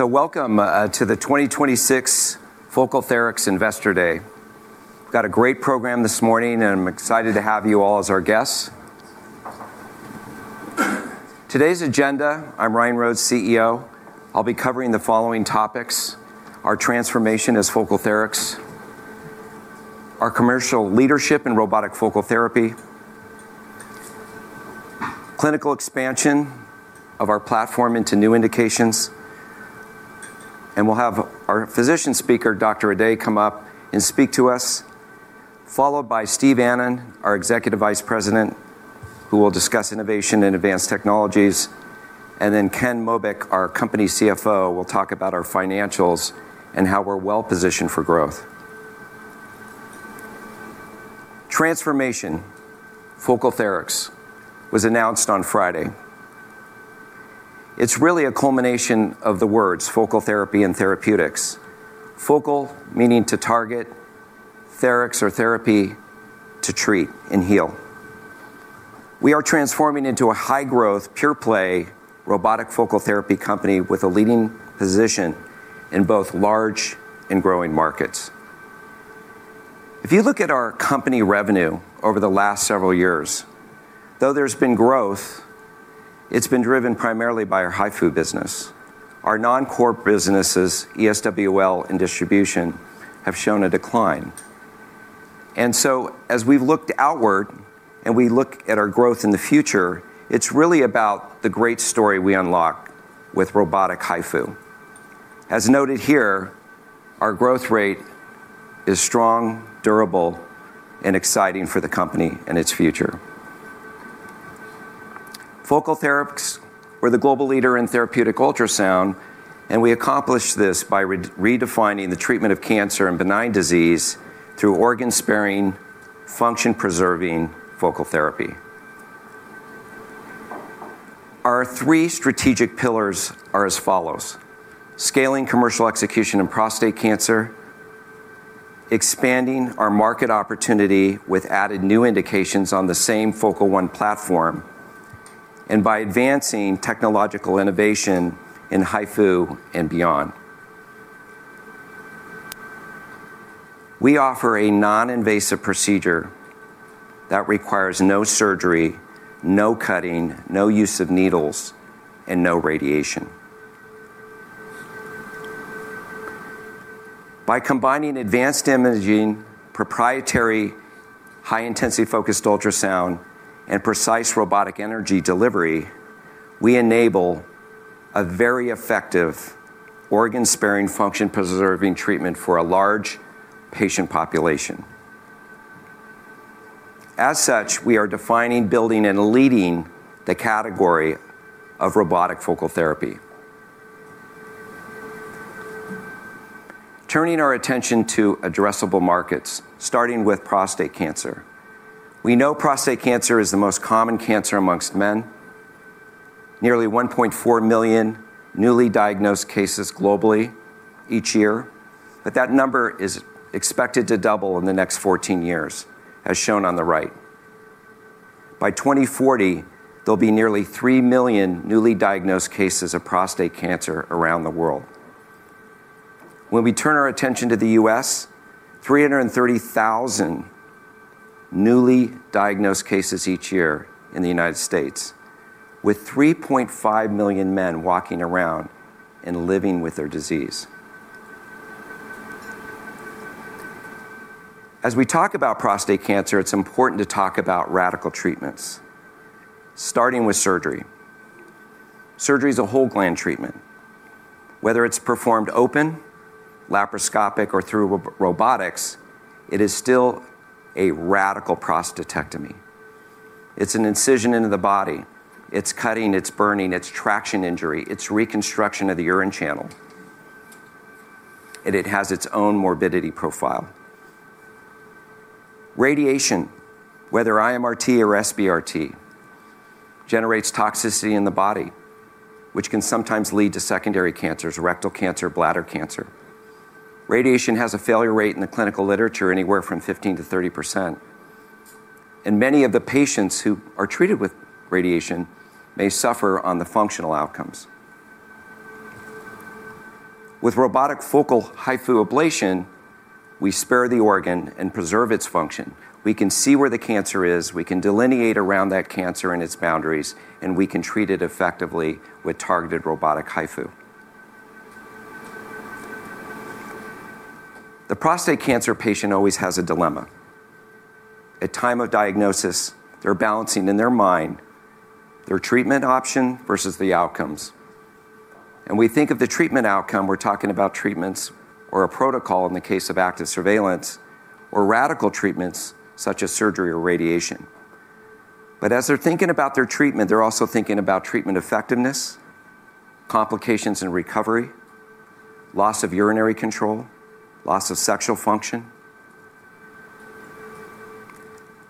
Welcome to the 2026 FocalTherics Investor Day. We've got a great program this morning, and I'm excited to have you all as our guests. Today's agenda: I'm Ryan Rhodes, CEO. I'll be covering the following topics: our transformation as FocalTherics, our commercial leadership in robotic focal therapy, clinical expansion of our platform into new indications, and we'll have our physician speaker, Dr. Ehdaie, come up and speak to us, followed by Steve Annen, our Executive Vice President, who will discuss innovation in advanced technologies, and then Ken Mobeck, our company CFO, will talk about our financials and how we're well-positioned for growth. Transformation. FocalTherics was announced on Friday. It's really a culmination of the words "focal therapy" and "therapeutics": "focal," meaning to target, and "therics" or "therapy," to treat and heal. We are transforming into a high-growth, pure-play robotic focal therapy company with a leading position in both large and growing markets. If you look at our company revenue over the last several years, though there's been growth, it's been driven primarily by our HIFU business. Our non-core businesses, ESWL and distribution, have shown a decline. As we've looked outward and we look at our growth in the future, it's really about the great story we unlock with robotic HIFU. As noted here, our growth rate is strong, durable, and exciting for the company and its future. FocalTherics, we're the global leader in therapeutic ultrasound, and we accomplish this by redefining the treatment of cancer and benign disease through organ-sparing, function-preserving focal therapy. Our three strategic pillars are as follows: scaling commercial execution in prostate cancer, expanding our market opportunity with added new indications on the same Focal One platform, and by advancing technological innovation in HIFU and beyond. We offer a non-invasive procedure that requires no surgery, no cutting, no use of needles, and no radiation. By combining advanced imaging, proprietary high-intensity focused ultrasound, and precise robotic energy delivery, we enable a very effective organ-sparing, function-preserving treatment for a large patient population. As such, we are defining, building, and leading the category of robotic focal therapy. Turning our attention to addressable markets, starting with prostate cancer. We know prostate cancer is the most common cancer amongst men. Nearly 1.4 million newly diagnosed cases globally each year. That number is expected to double in the next 14 years, as shown on the right. By 2040, there'll be nearly 3 million newly diagnosed cases of prostate cancer around the world. When we turn our attention to the U.S., 330,000 newly diagnosed cases each year in the United States, with 3.5 million men walking around and living with their disease. As we talk about prostate cancer, it's important to talk about radical treatments, starting with surgery. Surgery is a whole gland treatment. Whether it's performed open, laparoscopic, or through robotics, it is still a radical prostatectomy. It's an incision into the body. It's cutting, it's burning, it's traction injury, it's reconstruction of the urine channel. It has its own morbidity profile. Radiation, whether IMRT or SBRT, generates toxicity in the body, which can sometimes lead to secondary cancers, rectal cancer, bladder cancer. Radiation has a failure rate in the clinical literature anywhere from 15%-30%, and many of the patients who are treated with radiation may suffer on the functional outcomes. With robotic focal HIFU ablation, we spare the organ and preserve its function. We can see where the cancer is, we can delineate around that cancer and its boundaries, and we can treat it effectively with targeted robotic HIFU. The prostate cancer patient always has a dilemma. At time of diagnosis, they're balancing in their mind their treatment option versus the outcomes. We think of the treatment outcome, we're talking about treatments or a protocol in the case of active surveillance, or radical treatments such as surgery or radiation. As they're thinking about their treatment, they're also thinking about treatment effectiveness, complications in recovery, loss of urinary control, loss of sexual function.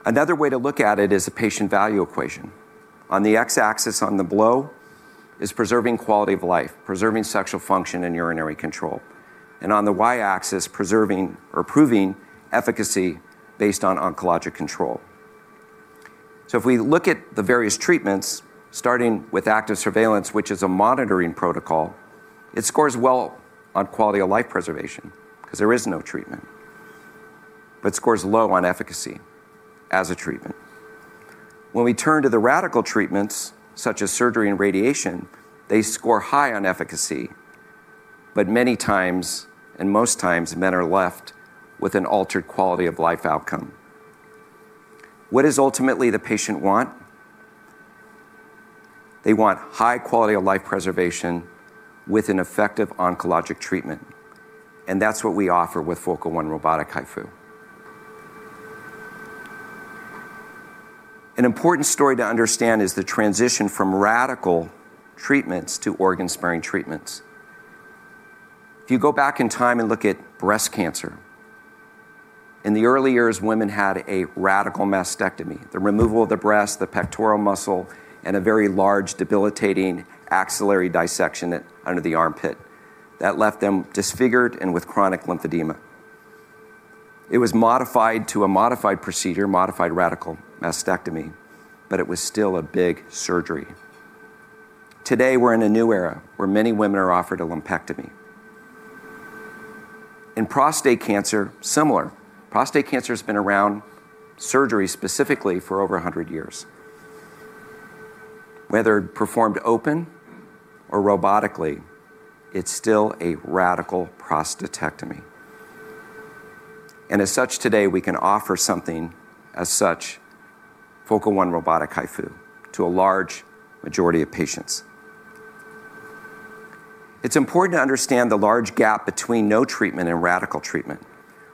Another way to look at it is a patient value equation. On the X-axis on the below is preserving quality of life, preserving sexual function and urinary control. On the Y-axis, preserving or proving efficacy based on oncologic control. If we look at the various treatments, starting with active surveillance, which is a monitoring protocol, it scores well on quality of life preservation because there is no treatment, but scores low on efficacy as a treatment. When we turn to the radical treatments, such as surgery and radiation, they score high on efficacy, but many times, and most times, men are left with an altered quality of life outcome. What does ultimately the patient want? They want high quality of life preservation with an effective oncologic treatment, and that's what we offer with Focal One Robotic HIFU. An important story to understand is the transition from radical treatments to organ-sparing treatments. If you go back in time and look at breast cancer, in the early years, women had a radical mastectomy, the removal of the breast, the pectoral muscle, and a very large, debilitating axillary dissection under the armpit that left them disfigured and with chronic lymphedema. It was modified to a modified procedure, modified radical mastectomy, but it was still a big surgery. Today, we're in a new era where many women are offered a lumpectomy. In prostate cancer, similar. Prostate cancer has been around, surgery specifically, for over 100 years. Whether performed open or robotically, it's still a radical prostatectomy. As such, today, we can offer something as such, Focal One Robotic HIFU to a large majority of patients. It's important to understand the large gap between no treatment and radical treatment.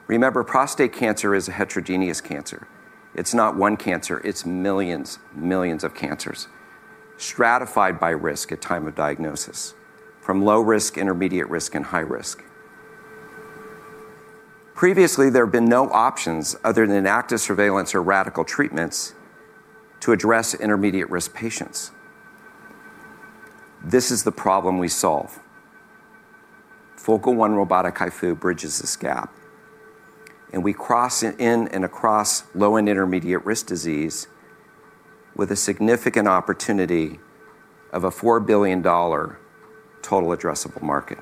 Remember, prostate cancer is a heterogeneous cancer. It's not one cancer. It's millions of cancers, stratified by risk at time of diagnosis, from low risk, intermediate risk, and high risk. Previously, there have been no options other than active surveillance or radical treatments to address intermediate-risk patients. This is the problem we solve. Focal One Robotic HIFU bridges this gap, and we cross in and across low and intermediate-risk disease with a significant opportunity of a $4 billion total addressable market.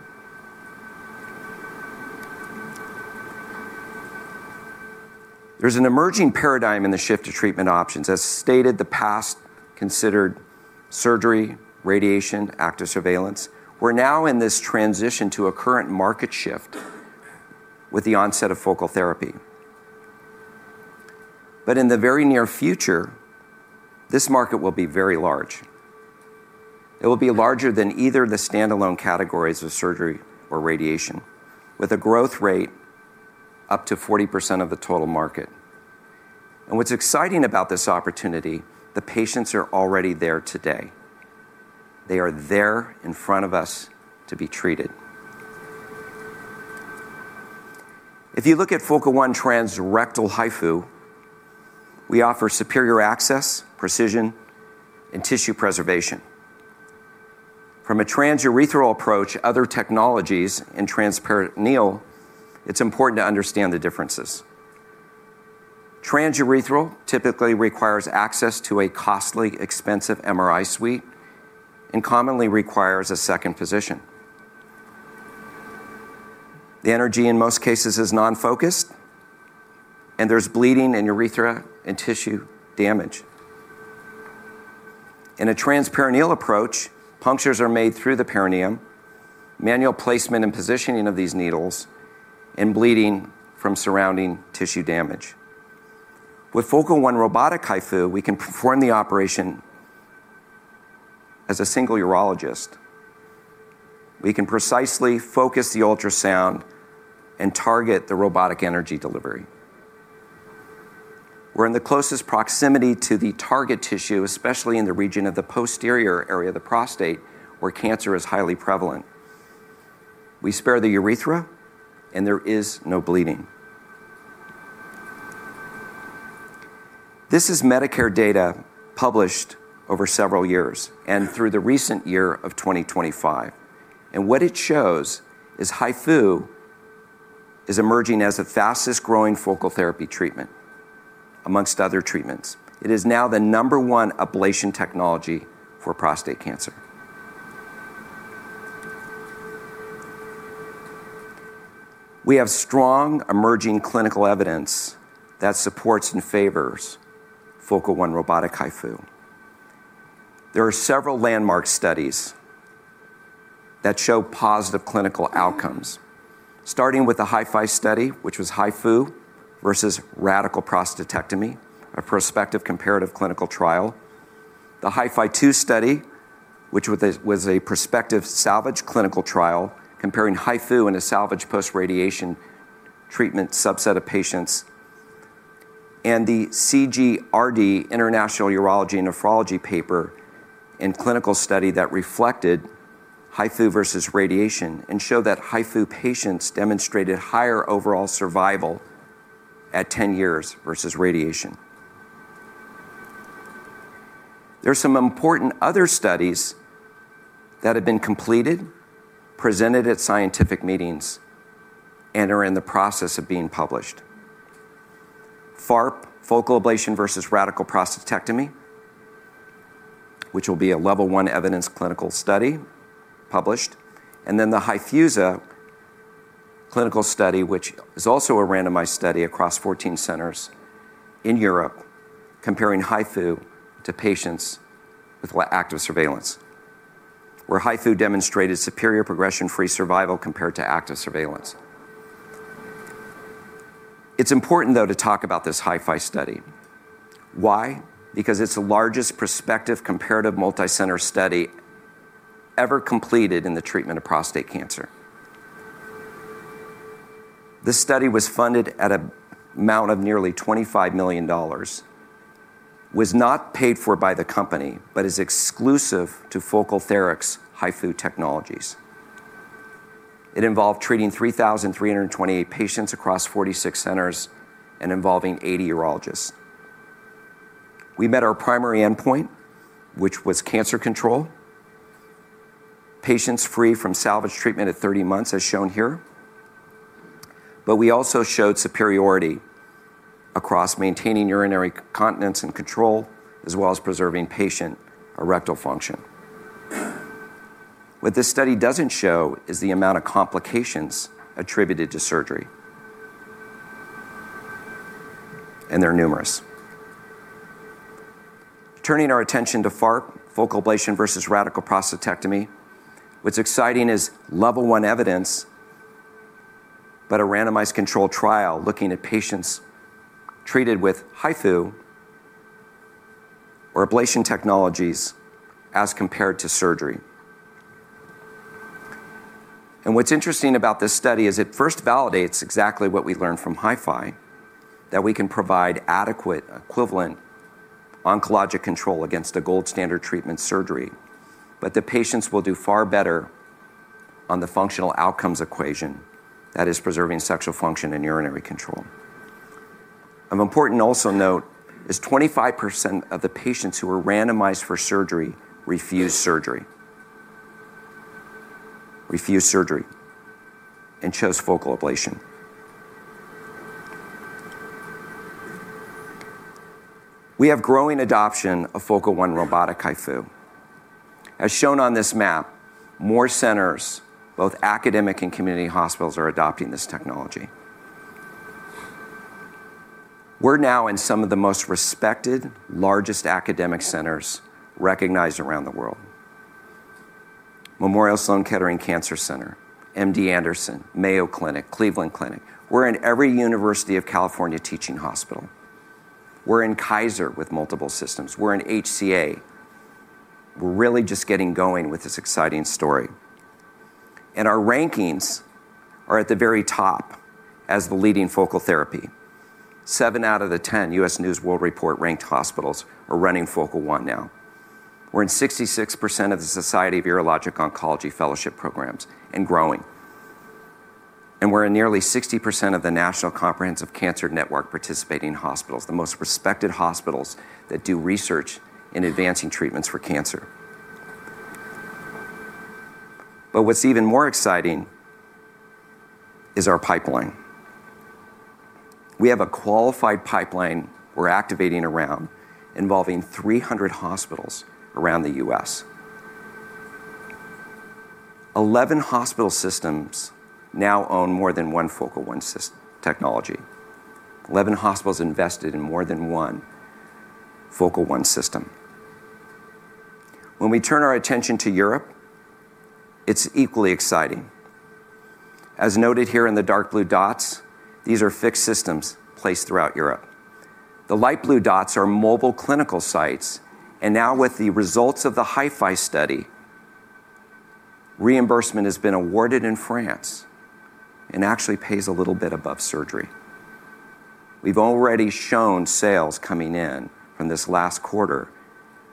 There's an emerging paradigm in the shift of treatment options. As stated, the past considered surgery, radiation, active surveillance. We're now in this transition to a current market shift with the onset of focal therapy. In the very near future, this market will be very large. It will be larger than either of the standalone categories of surgery or radiation, with a growth rate up to 40% of the total market. What's exciting about this opportunity, the patients are already there today. They are there in front of us to be treated. If you look at Focal One transrectal HIFU, we offer superior access, precision, and tissue preservation. From a transurethral approach, other technologies, and transperineal, it's important to understand the differences. Transurethral typically requires access to a costly, expensive MRI suite and commonly requires a second physician. The energy, in most cases, is non-focused, and there's bleeding in urethra and tissue damage. In a transperineal approach, punctures are made through the perineum, manual placement and positioning of these needles, and bleeding from surrounding tissue damage. With Focal One Robotic HIFU, we can perform the operation as a single urologist. We can precisely focus the ultrasound and target the robotic energy delivery. We're in the closest proximity to the target tissue, especially in the region of the posterior area of the prostate, where cancer is highly prevalent. We spare the urethra, and there is no bleeding. What it shows is Medicare data published over several years and through the recent year of 2025, HIFU is emerging as the fastest-growing focal therapy treatment amongst other treatments. It is now the number one ablation technology for prostate cancer. We have strong emerging clinical evidence that supports and favors Focal One Robotic HIFU. There are several landmark studies that show positive clinical outcomes, starting with the HIFI study, which was HIFU versus radical prostatectomy, a prospective comparative clinical trial. The HIFI-2 study, which was a prospective salvage clinical trial comparing HIFU in a salvage post-radiation treatment subset of patients, and the CGRD International Urology and Nephrology paper and clinical study that reflected HIFU versus radiation and showed that HIFU patients demonstrated higher overall survival at 10 years versus radiation. There are some important other studies that have been completed, presented at scientific meetings, and are in the process of being published. FARP, Focal Ablation versus Radical Prostatectomy, which will be a level 1 evidence clinical study published. The HIFU-SA clinical study, which is also a randomized study across 14 centers in Europe comparing HIFU to patients with active surveillance, where HIFU demonstrated superior progression-free survival compared to active surveillance. It's important, though, to talk about this HIFI study. Why? Because it's the largest prospective comparative multi-center study ever completed in the treatment of prostate cancer. This study was funded at an amount of nearly EUR 25 million, which was not paid for by the company but is exclusive to FocalTherics HIFU Technologies. It involved treating 3,328 patients across 46 centers and involving 80 urologists. We met our primary endpoint, which was cancer control. Patients free from salvage treatment at 30 months, as shown here. We also showed superiority across maintaining urinary continence and control, as well as preserving patient erectile function. What this study doesn't show is the amount of complications attributed to surgery. They're numerous. Turning our attention to FARP, Focal Ablation versus Radical Prostatectomy. What's exciting is level 1 evidence, a randomized control trial looking at patients treated with HIFU or ablation technologies as compared to surgery. What's interesting about this study is it first validates exactly what we learned from HIFI, that we can provide adequate equivalent oncologic control against a gold standard treatment surgery. The patients will do far better on the functional outcomes equation, that is, preserving sexual function and urinary control. Of important also note is 25% of the patients who were randomized for surgery refused surgery. Refused surgery and chose focal ablation. We have growing adoption of Focal One robotic HIFU. As shown on this map, more centers, both academic and community hospitals, are adopting this technology. We're now in some of the most respected, largest academic centers recognized around the world. Memorial Sloan Kettering Cancer Center, MD Anderson, Mayo Clinic, Cleveland Clinic. We're in every University of California teaching hospital. We're in Kaiser with multiple systems. We're in HCA. We're really just getting going with this exciting story. Our rankings are at the very top as the leading focal therapy. Seven out of the 10 U.S. News & World Report ranked hospitals are running Focal One now. We're in 66% of the Society of Urologic Oncology fellowship programs and growing. We're in nearly 60% of the National Comprehensive Cancer Network participating hospitals, the most respected hospitals that do research in advancing treatments for cancer. What's even more exciting is our pipeline. We have a qualified pipeline we're activating around involving 300 hospitals around the U.S. 11 hospital systems now own more than one Focal One technology. 11 hospitals invested in more than one Focal One system. We turn our attention to Europe; it's equally exciting. As noted here in the dark blue dots, these are fixed systems placed throughout Europe. The light blue dots are mobile clinical sites. Now with the results of the HIFI study, reimbursement has been awarded in France and actually pays a little bit above surgery. We've already shown sales coming in from this last quarter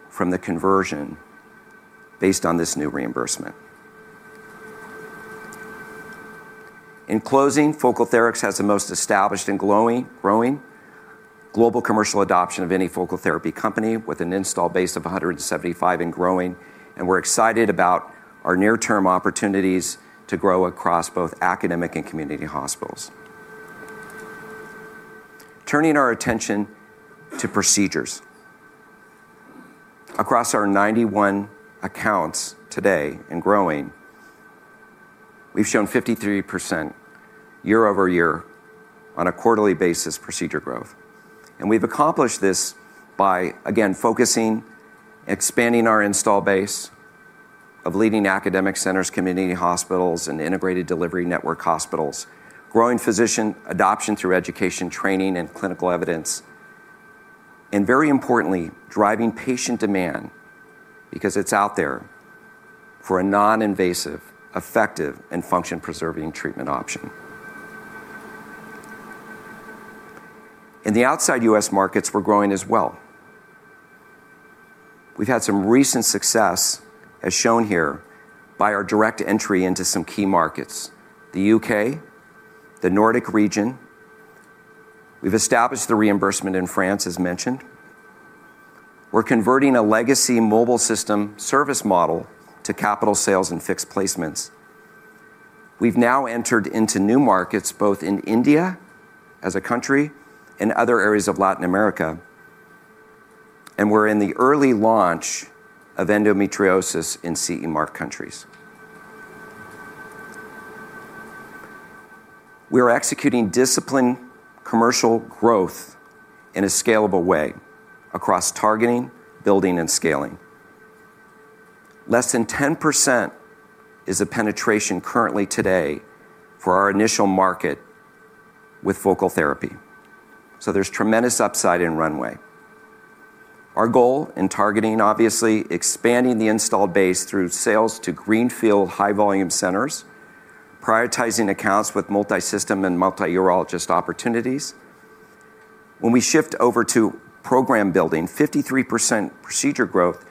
from the conversion based on this new reimbursement. In closing, FocalTherics has the most established and growing global commercial adoption of any focal therapy company with an install base of 175 and growing. We're excited about our near-term opportunities to grow across both academic and community hospitals. Turning our attention to procedures. Across our 91 accounts today and growing, we've shown 53% year-over-year on a quarterly basis procedure growth. We've accomplished this by, again, focusing, expanding our install base of leading academic centers, community hospitals, and integrated delivery network hospitals, growing physician adoption through education training and clinical evidence, and very importantly, driving patient demand, because it's out there, for a non-invasive, effective, and function-preserving treatment option. In the outside U.S. markets, we're growing as well. We've had some recent success, as shown here, by our direct entry into some key markets. The U.K., the Nordic region. We've established the reimbursement in France, as mentioned. We're converting a legacy mobile system service model to capital sales and fixed placements. We've now entered into new markets, both in India as a country and other areas of Latin America, and we're in the early launch of endometriosis in CE mark countries. We are executing disciplined commercial growth in a scalable way across targeting, building, and scaling. Less than 10% is the penetration currently today for our initial market with focal therapy, so there's tremendous upside in runway. Our goal in targeting, obviously, is expanding the installed base through sales to greenfield high-volume centers, prioritizing accounts with multi-system and multi-urologist opportunities. When we shift over to program building, with 53% procedure growth,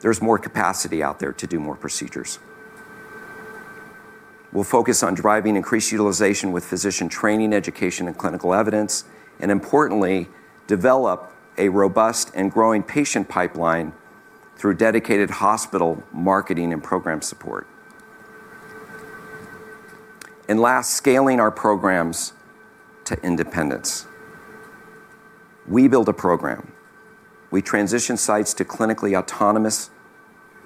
there's more capacity out there to do more procedures. We'll focus on driving increased utilization with physician training, education, and clinical evidence, and importantly, develop a robust and growing patient pipeline through dedicated hospital marketing and program support. Last, scaling our programs to independence. We build a program. We transition sites to clinically autonomous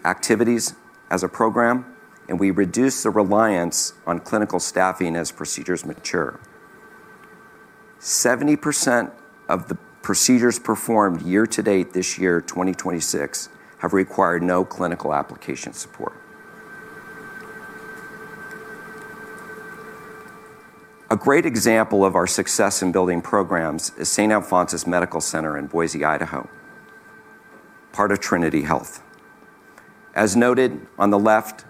activities as a program, and we reduce the reliance on clinical staffing as procedures mature. 70% of the procedures performed year-to-date this year, 2026, have required no clinical application support. A great example of our success in building programs is St. Alphonsus Medical Center in Boise, Idaho, part of Trinity Health. As noted on the left,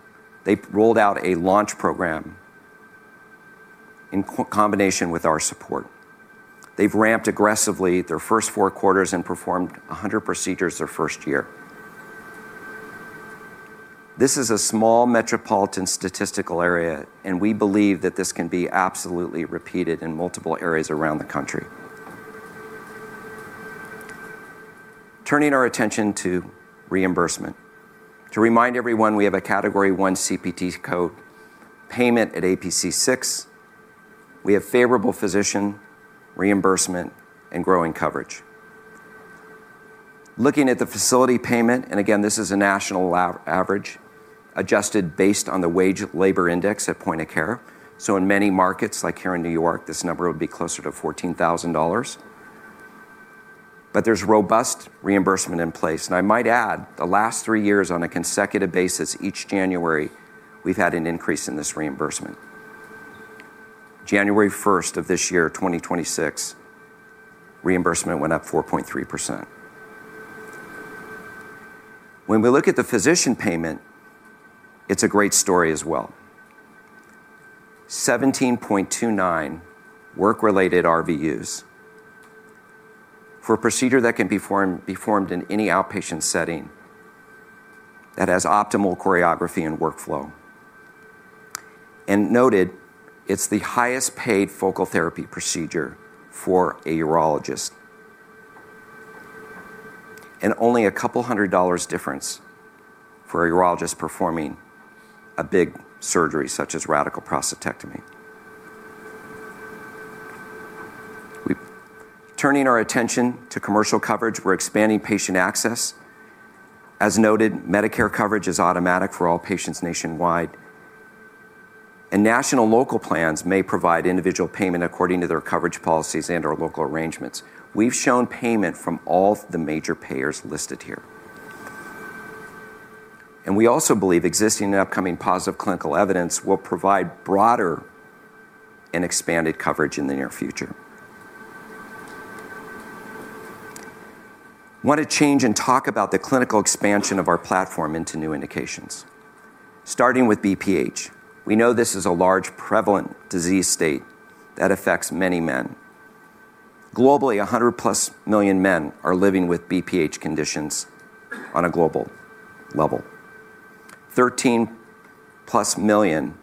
they rolled out a launch program in combination with our support. They've ramped aggressively their first four quarters and performed 100 procedures their first year. This is a small metropolitan statistical area. We believe that this can be absolutely repeated in multiple areas around the country. Turning our attention to reimbursement. To remind everyone, we have a Category 1 CPT code payment at APC6. We have favorable physician reimbursement and growing coverage. Looking at the facility payment. Again, this is a national average adjusted based on the wage labor index at point of care. In many markets, like here in New York, this number would be closer to $14,000. There's robust reimbursement in place. I might add, the last three years, on a consecutive basis, each January, we've had an increase in this reimbursement. January 1st of this year, 2026, reimbursement went up 4.3%. When we look at the physician payment, it's a great story as well. 17.29 work-related RVUs for a procedure that can be performed in any outpatient setting that has optimal choreography and workflow. Noted, it's the highest-paid Focal Therapy procedure for a urologist. Only a couple hundred EUR difference for a urologist performing a big surgery such as radical prostatectomy. Turning our attention to commercial coverage, we're expanding patient access. As noted, Medicare coverage is automatic for all patients nationwide. National local plans may provide individual payment according to their coverage policies and/or local arrangements. We've shown payment from all the major payers listed here. We also believe existing and upcoming positive clinical evidence will provide broader and expanded coverage in the near future. Want to change and talk about the clinical expansion of our platform into new indications? Starting with BPH. We know this is a large, prevalent disease state that affects many men. Globally, 100+ million men are living with BPH conditions on a global level. 13+ million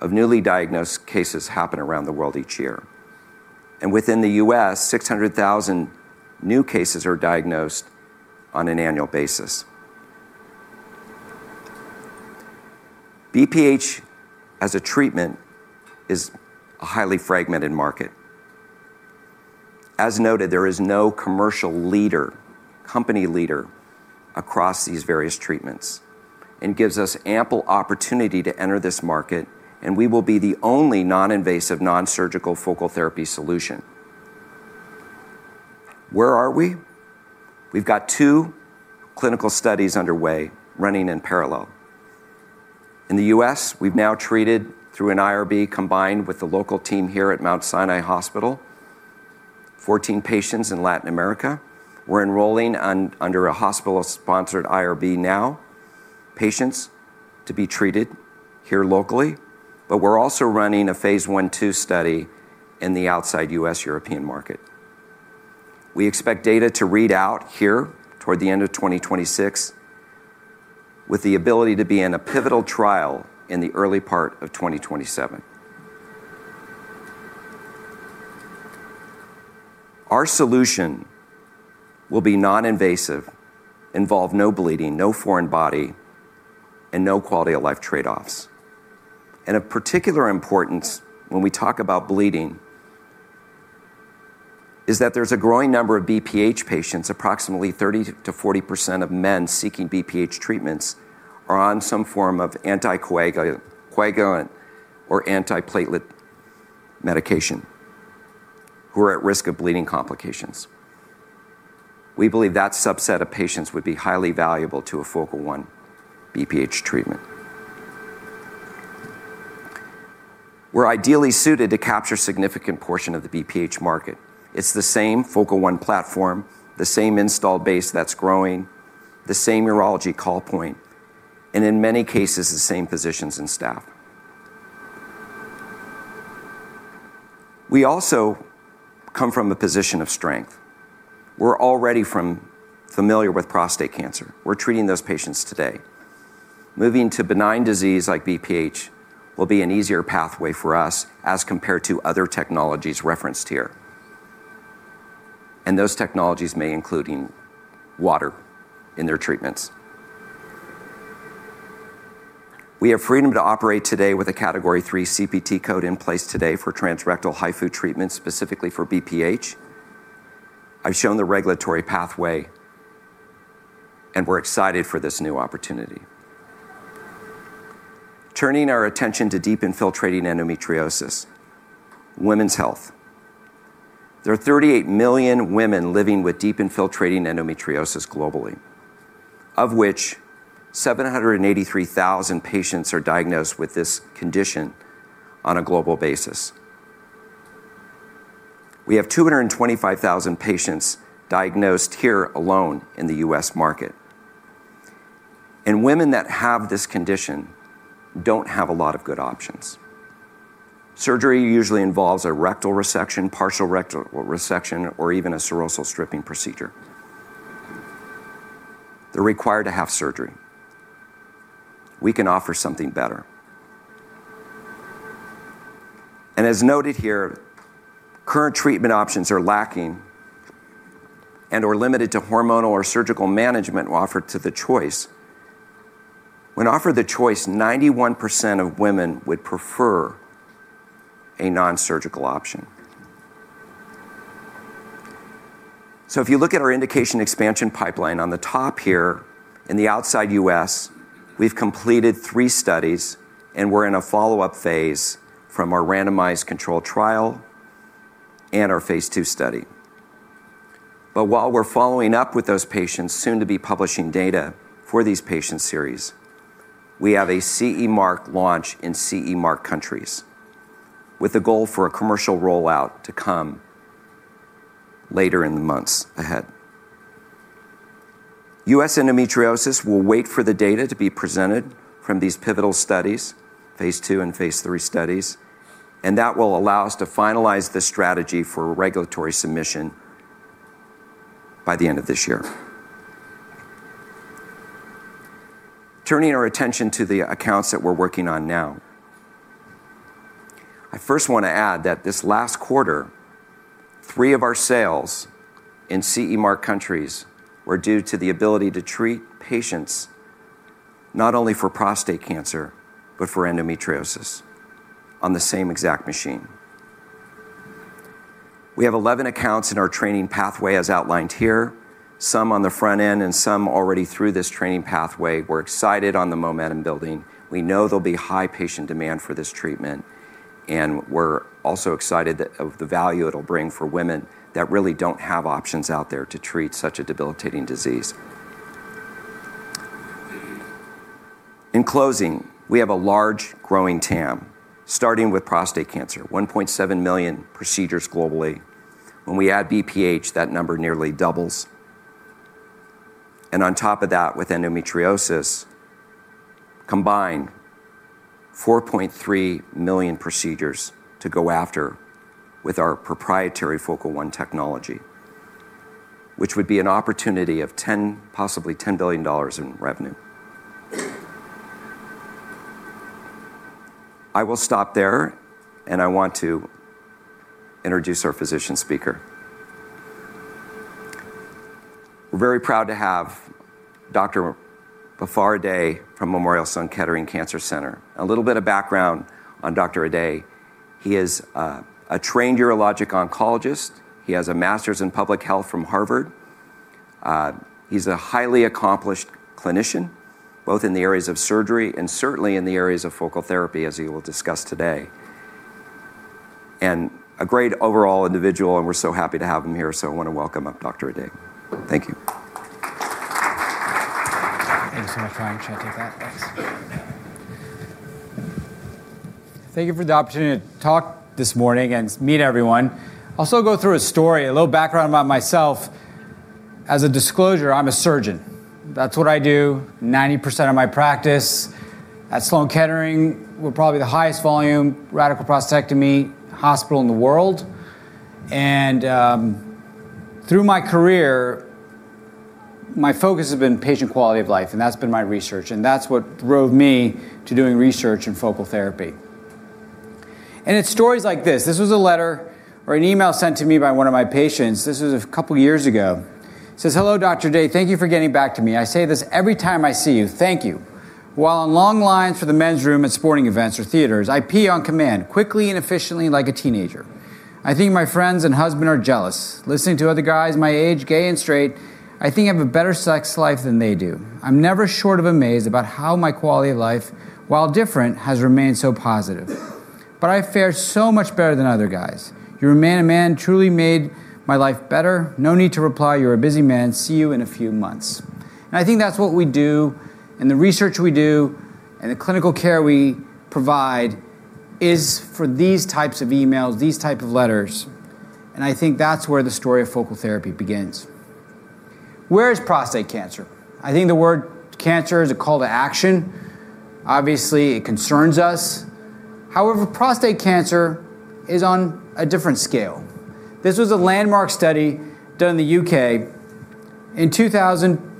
of newly diagnosed cases happen around the world each year. Within the U.S., 600,000 new cases are diagnosed on an annual basis. BPH as a treatment is a highly fragmented market. As noted, there is no commercial leader, company leader across these various treatments and gives us ample opportunity to enter this market, and we will be the only non-invasive, non-surgical focal therapy solution. Where are we? We've got two clinical studies underway, running in parallel. In the U.S., we've now treated through an IRB combined with the local team here at The Mount Sinai Hospital, 14 patients in Latin America. We're enrolling under a hospital-sponsored IRB now, patients to be treated here locally. We're also running a phase I/II study in the outside U.S. European market. We expect data to read out here toward the end of 2026. With the ability to be in a pivotal trial in the early part of 2027. Our solution will be non-invasive, involve no bleeding, no foreign body, and no quality-of-life trade-offs. Of particular importance when we talk about bleeding, is that there's a growing number of BPH patients, approximately 30%-40% of men seeking BPH treatments, are on some form of anticoagulant or antiplatelet medication, who are at risk of bleeding complications. We believe that subset of patients would be highly valuable to a Focal One BPH treatment. We're ideally suited to capture a significant portion of the BPH market. It's the same Focal One platform, the same installed base that's growing, the same urology call point, and in many cases, the same physicians and staff. We also come from a position of strength. We're already familiar with prostate cancer. We're treating those patients today. Moving to benign diseases like BPH will be an easier pathway for us as compared to other technologies referenced here, and those technologies may include water in their treatments. We have freedom to operate today with a Category III CPT code in place today for transrectal HIFU treatment, specifically for BPH. I've shown the regulatory pathway, and we're excited for this new opportunity. Turning our attention to deep infiltrating endometriosis, women's health. There are 38 million women living with deep infiltrating endometriosis globally, of which 783,000 patients are diagnosed with this condition on a global basis. We have 225,000 patients diagnosed here alone in the U.S. market. Women that have this condition don't have a lot of good options. Surgery usually involves a rectal resection, partial rectal resection, or even a serosal stripping procedure. They're required to have surgery. We can offer something better. As noted here, current treatment options are lacking and are limited to hormonal or surgical management when offered the choice. When offered the choice, 91% of women would prefer a non-surgical option. If you look at our indication expansion pipeline on the top here in the outside U.S., we've completed three studies, and we're in a follow-up phase from our randomized control trial and our Phase II study. While we're following up with those patients, soon to be publishing data for these patient series, we have a CE mark launch in CE mark countries with a goal for a commercial rollout to come later in the months ahead. U.S. endometriosis will wait for the data to be presented from these pivotal studies, phase II and phase III studies, and that will allow us to finalize the strategy for regulatory submission by the end of this year. Turning our attention to the accounts that we're working on now. I first want to add that this last quarter, three of our sales in CE mark countries were due to the ability to treat patients not only for prostate cancer, but for endometriosis on the same exact machine. We have 11 accounts in our training pathway, as outlined here. Some on the front end and some already through this training pathway. We're excited on the momentum building. We know there'll be high patient demand for this treatment, and we're also excited of the value it'll bring for women that really don't have options out there to treat such a debilitating disease. In closing, we have a large growing TAM, starting with prostate cancer, 1.7 million procedures globally. When we add BPH, that number nearly doubles. On top of that, with endometriosis, combined, 4.3 million procedures to go after with our proprietary Focal One technology, which would be an opportunity of possibly EUR 10 billion in revenue. I will stop there, and I want to introduce our physician speaker. We're very proud to have Dr. Behfar Ehdaie from Memorial Sloan Kettering Cancer Center. A little bit of background on Dr. Ehdaie. He is a trained urologic oncologist. He has a master's in public health from Harvard. He's a highly accomplished clinician, both in the areas of surgery and certainly in the areas of focal therapy, as he will discuss today. A great overall individual, and we're so happy to have him here, so I want to welcome up Dr. Ehdaie. Thank you. Thank you so much. Should I take that? Thanks. Thank you for the opportunity to talk this morning and meet everyone. Also go through a story, a little background about myself. As a disclosure, I'm a surgeon. That's what I do 90% of my practice at Sloan Kettering. We're probably the highest-volume radical prostatectomy hospital in the world. Through my career, my focus has been patient quality of life, and that's been my research, and that's what drove me to doing research in focal therapy. It's stories like this. This was a letter or an email sent to me by one of my patients. This was a couple of years ago. It says, "Hello, Dr. Ehdaie. Thank you for getting back to me. I say this every time I see you. Thank you. While in long lines for the men's room at sporting events or theaters, I pee on command, quickly and efficiently like a teenager. I think my friends and husband are jealous. Listening to other guys my age, gay and straight, I think I have a better sex life than they do. I'm never short of amazed about how my quality of life, while different, has remained so positive. I fared so much better than other guys. You remain a man who truly made my life better. No need to reply. You're a busy man. See you in a few months." I think that's what we do, and the research we do, and the clinical care we provide is for these types of emails, these types of letters. I think that's where the story of focal therapy begins. Where is prostate cancer? I think the word cancer is a call to action. Obviously, it concerns us. Prostate cancer is on a different scale. This was a landmark study done in the U.K. In 2000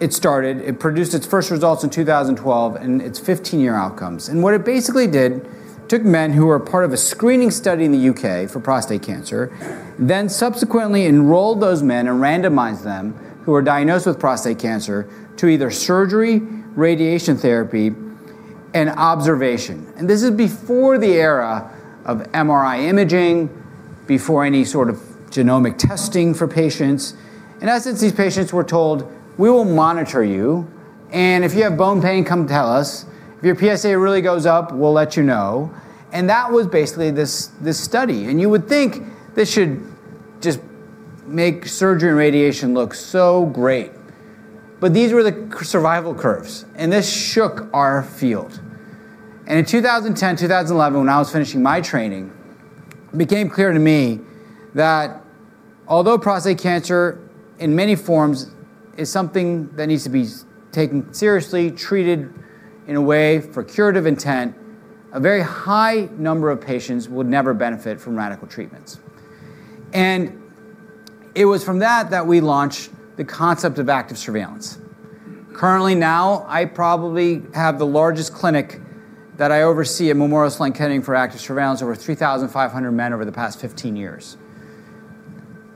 it started. It produced its first results in 2012 and its 15-year outcomes. What it basically did, took men who were part of a screening study in the U.K. for prostate cancer, then subsequently enrolled those men and randomized them who were diagnosed with prostate cancer to either surgery, radiation therapy, and observation. This is before the era of MRI imaging, before any sort of genomic testing for patients. In essence, these patients were told, "We will monitor you, and if you have bone pain, come tell us. If your PSA really goes up, we'll let you know." That was basically this study. You would think this should just make surgery and radiation look so great. These were the survival curves, and this shook our field. In 2010, 2011, when I was finishing my training, it became clear to me that although prostate cancer, in many forms, is something that needs to be taken seriously, treated in a way for curative intent, a very high number of patients would never benefit from radical treatments. It was from that that we launched the concept of active surveillance. Currently now, I probably have the largest clinic that I oversee at Memorial Sloan Kettering for active surveillance, over 3,500 men over the past 15 years.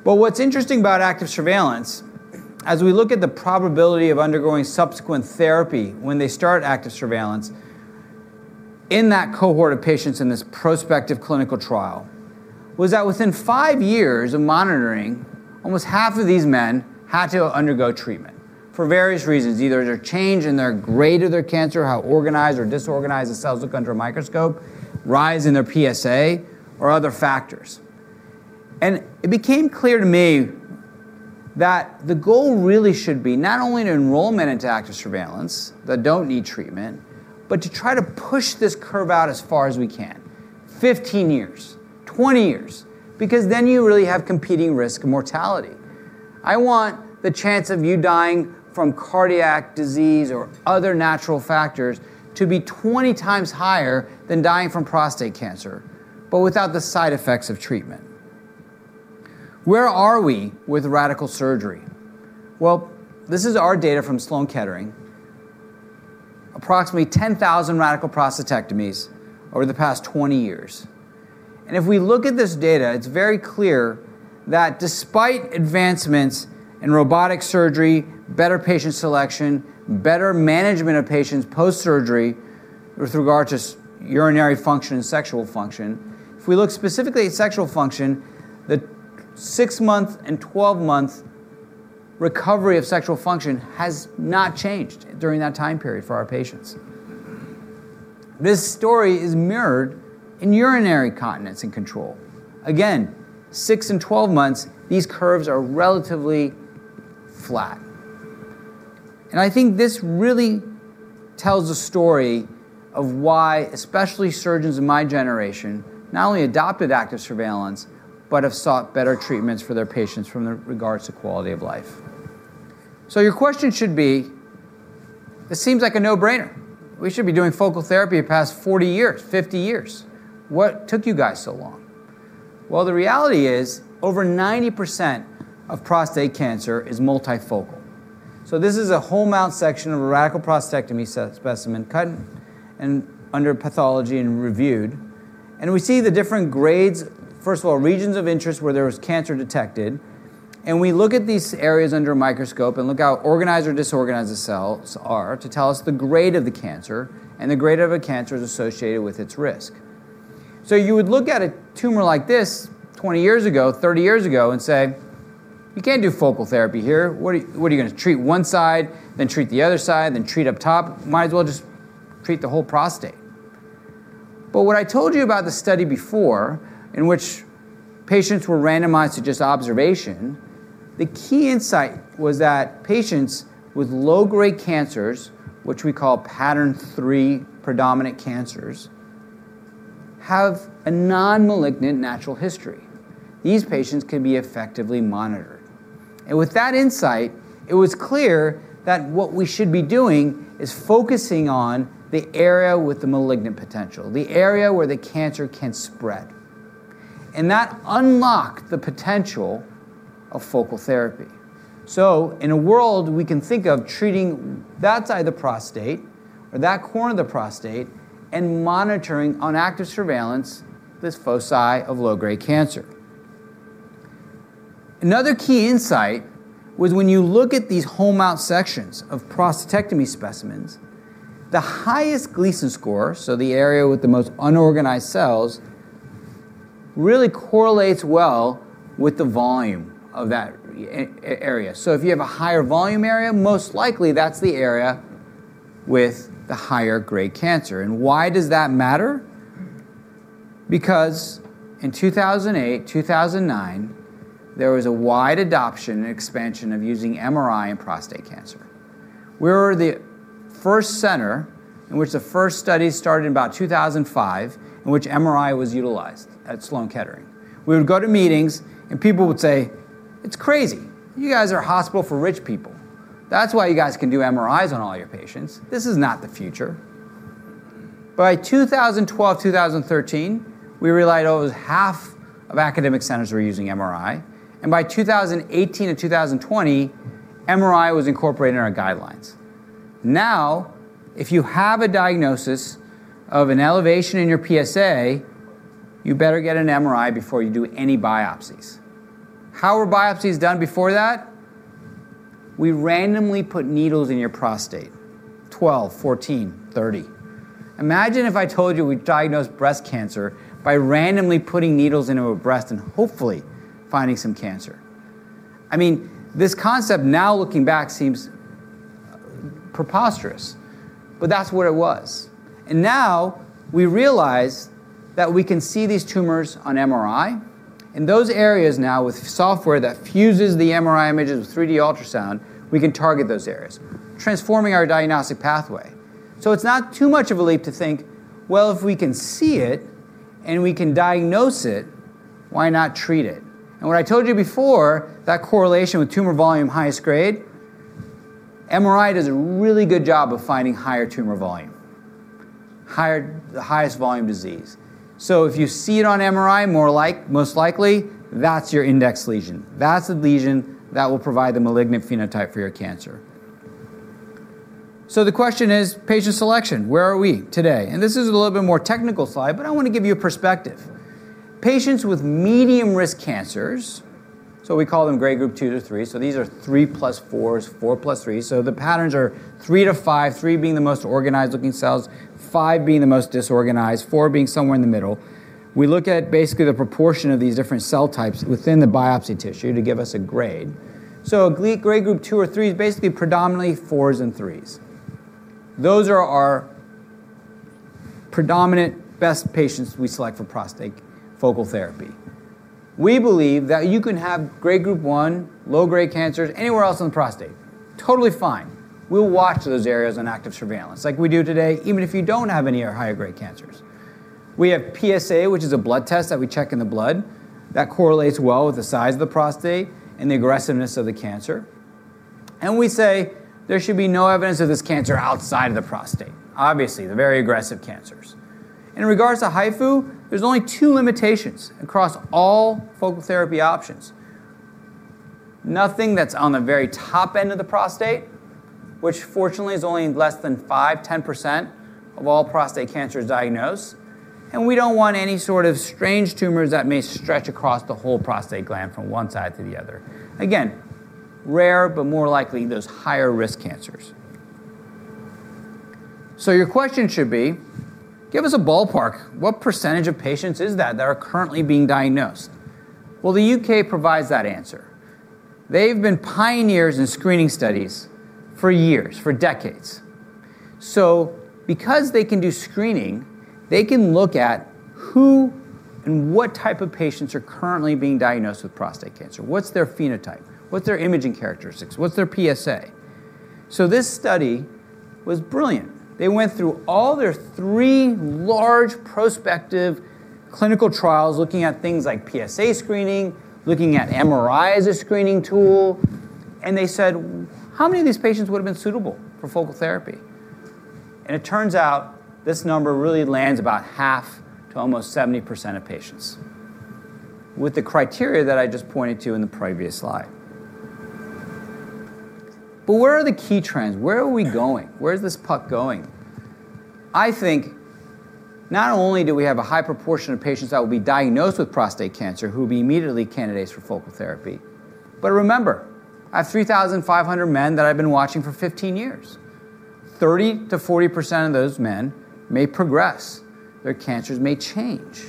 What's interesting about active surveillance, as we look at the probability of undergoing subsequent therapy when they start active surveillance in that cohort of patients in this prospective clinical trial, was that within five years of monitoring, almost half of these men had to undergo treatment for various reasons. Either a change in their grade of their cancer, how organized or disorganized the cells look under a microscope, a rise in their PSA, or other factors. It became clear to me that the goal really should be not only to enroll men into active surveillance that don't need treatment, but to try to push this curve out as far as we can. 15 years, 20 years, because then you really have a competing risk of mortality. I want the chance of you dying from cardiac disease or other natural factors to be 20 times higher than dying from prostate cancer, but without the side effects of treatment. Where are we with radical surgery? Well, this is our data from Sloan Kettering. Approximately 10,000 radical prostatectomies over the past 20 years. If we look at this data, it's very clear that despite advancements in robotic surgery, better patient selection, better management of patients post-surgery with regard to urinary function and sexual function, if we look specifically at sexual function, the six-month and 12-month recovery of sexual function has not changed during that time period for our patients. This story is mirrored in urinary continence and control. Again, six and 12 months, these curves are relatively flat. I think this really tells a story of why, especially surgeons of my generation, not only adopted active surveillance, but have sought better treatments for their patients from the regards to quality of life. Your question should be, "It seems like a no-brainer." We should be doing focal therapy the past 40 years, 50 years. What took you guys so long? Well, the reality is over 90% of prostate cancer is multifocal. This is a whole mount section of a radical prostatectomy specimen cut and under pathology and reviewed. We see the different grades, first of all, regions of interest where there was cancer detected. We look at these areas under a microscope and look how organized or disorganized the cells are to tell us the grade of the cancer, and the grade of a cancer is associated with its risk. You would look at a tumor like this 20 years ago, 30 years ago, and say, "You can't do focal therapy here. What are you going to treat one side, then treat the other side, then treat up top? Might as well just treat the whole prostate." What I told you about the study before, in which patients were randomized to just observation, the key insight was that patients with low-grade cancers, which we call Pattern 3 predominant cancers, have a non-malignant natural history. These patients can be effectively monitored. With that insight, it was clear that what we should be doing is focusing on the area with the malignant potential, the area where the cancer can spread. That unlocked the potential of focal therapy. In a world, we can think of treating that side of the prostate or that corner of the prostate and monitoring on active surveillance, this foci of low-grade cancer. Another key insight was when you look at these whole mount sections of prostatectomy specimens, the highest Gleason score, so the area with the most unorganized cells, really correlates well with the volume of that area. If you have a higher volume area, most likely that's the area with the higher grade cancer. Why does that matter? In 2008, 2009, there was a wide adoption and expansion of using MRI in prostate cancer. We were the first center in which the first study started in about 2005, in which MRI was utilized at Sloan Kettering. We would go to meetings and people would say, "It's crazy. You guys are a hospital for rich people. That's why you guys can do MRIs on all your patients. This is not the future. By 2012, 2013, we realized it was half of academic centers were using MRI. By 2018 and 2020, MRI was incorporated in our guidelines. Now, if you have a diagnosis of an elevation in your PSA, you better get an MRI before you do any biopsies. How were biopsies done before that? We randomly put needles in your prostate: 12, 14, 30. Imagine if I told you we diagnosed breast cancer by randomly putting needles into a breast and hopefully finding some cancer. This concept now, looking back, seems preposterous; that's what it was. Now we realize that we can see these tumors on MRI. In those areas now with software that fuses the MRI images with 3D ultrasound, we can target those areas, transforming our diagnostic pathway. It's not too much of a leap to think, well, if we can see it and we can diagnose it, why not treat it? What I told you before, that the correlation with tumor volume highest grade; MRI does a really good job of finding higher tumor volume. The highest volume disease. If you see it on MRI, most likely, that's your index lesion. That's the lesion that will provide the malignant phenotype for your cancer. The question is patient selection. Where are we today? This is a little bit more technical slide, but I want to give you a perspective. Patients with medium risk cancers, we call them Grade Group 2 to 3; these are three plus fours, four plus threes. The patterns are three to five, three being the most organized-looking cells, five being the most disorganized, four being somewhere in the middle. We look at basically the proportion of these different cell types within the biopsy tissue to give us a grade. Grade Group 2 or 3 is basically predominantly 4s and 3s. Those are our predominant best patients we select for prostate focal therapy. We believe that you can have Grade Group 1, low-grade cancers anywhere else in the prostate; totally fine. We'll watch those areas on active surveillance like we do today, even if you don't have any higher-grade cancers. We have a PSA, which is a blood test that we check in the blood. That correlates well with the size of the prostate and the aggressiveness of the cancer. We say there should be no evidence of this cancer outside of the prostate. Obviously, the very aggressive cancers. In regard to HIFU, there's only two limitations across all focal therapy options. Nothing that's on the very top end of the prostate, which fortunately is only less than 5% to 10% of all prostate cancers diagnosed. We don't want any sort of strange tumors that may stretch across the whole prostate gland from one side to the other. Again, rare, but more likely those higher-risk cancers. Your question should be, "Give us a ballpark." What percentage of patients is that are currently being diagnosed? Well, the U.K. provides that answer. They've been pioneers in screening studies for years, for decades. Because they can do screening, they can look at who and what type of patients are currently being diagnosed with prostate cancer. What's their phenotype? What's their imaging characteristics? What's their PSA? This study was brilliant. They went through all their three large prospective clinical trials looking at things like PSA screening, looking at MRI as a screening tool, and they said, "How many of these patients would have been suitable for focal therapy?" It turns out this number really lands about half to almost 70% of patients with the criteria that I just pointed to in the previous slide. Where are the key trends? Where are we going? Where's this puck going? I think not only do we have a high proportion of patients that will be diagnosed with prostate cancer who will be immediately candidates for focal therapy, but remember, I have 3,500 men that I've been watching for 15 years. 30%-40% of those men may progress. Their cancers may change.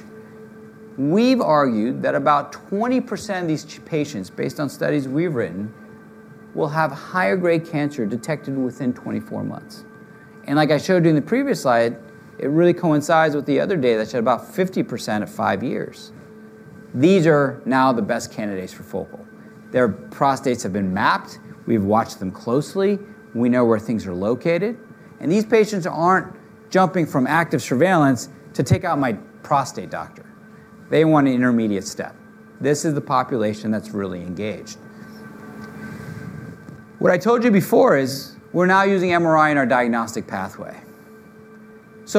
We've argued that about 20% of these patients, based on studies we've written, will have higher-grade cancer detected within 24 months. Like I showed you in the previous slide, it really coincides with the other data that said about 50% at five years. These are now the best candidates for focal. Their prostates have been mapped. We've watched them closely. We know where things are located. These patients aren't jumping from active surveillance to take out my prostate, Doctor. They want an intermediate step. This is the population that's really engaged. What I told you before is we're now using MRI in our diagnostic pathway.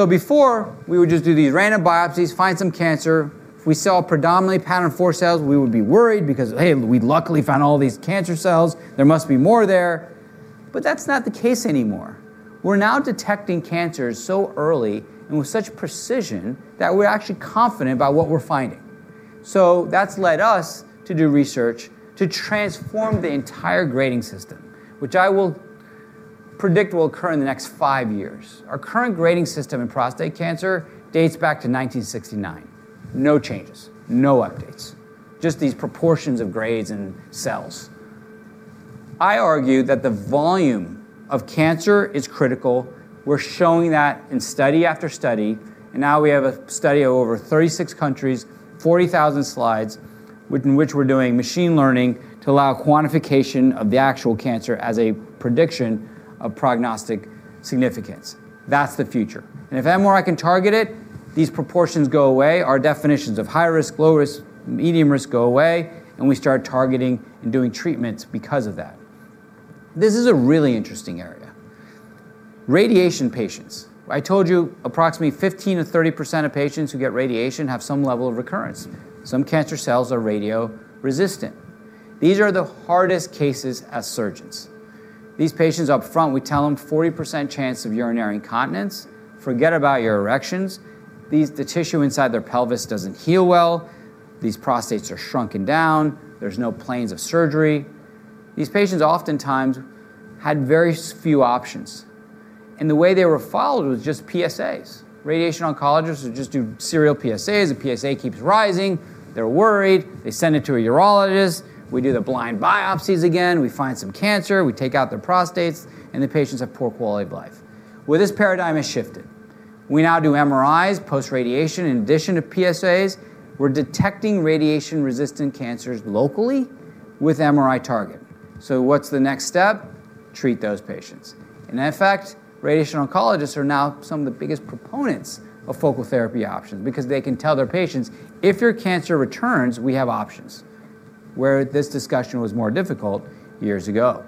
Before, we would just do these random biopsies, find some cancer. If we saw predominantly pattern four cells, we would be worried because, hey, we'd luckily found all these cancer cells. There must be more there. That's not the case anymore. We're now detecting cancers so early and with such precision that we're actually confident about what we're finding. That's led us to do research to transform the entire grading system, which I will predict will occur in the next five years. Our current grading system in prostate cancer dates back to 1969. No changes, no updates, just these proportions of grades and cells. I argue that the volume of cancer is critical. We're showing that in study after study, now we have a study of over 36 countries, 40,000 slides in which we're doing machine learning to allow quantification of the actual cancer as a prediction of prognostic significance. That's the future. If MRI can target it, these proportions go away. Our definitions of high risk, low risk, medium risk go away, and we start targeting and doing treatments because of that. This is a really interesting area. Radiation patients. I told you approximately 15% to 30% of patients who get radiation have some level of recurrence. Some cancer cells are radio-resistant. These are the hardest cases as surgeons. These patients up front, we tell them 40% chance of urinary incontinence. Forget about your erections. The tissue inside their pelvis doesn't heal well. These prostates are shrunken down. There's no planes of surgery. These patients oftentimes had very few options, and the way they were followed was just PSAs. Radiation oncologists would just do serial PSAs. The PSA keeps rising. They're worried. They send it to a urologist. We do the blind biopsies again. We find some cancer. We take out their prostates, and the patients have poor quality of life. Well, this paradigm has shifted. We now do MRIs post-radiation in addition to PSAs. We're detecting radiation-resistant cancers locally with MRI targeting. What's the next step? Treat those patients. In fact, radiation oncologists are now some of the biggest proponents of focal therapy options because they can tell their patients, "If your cancer returns, we have options," where this discussion was more difficult years ago.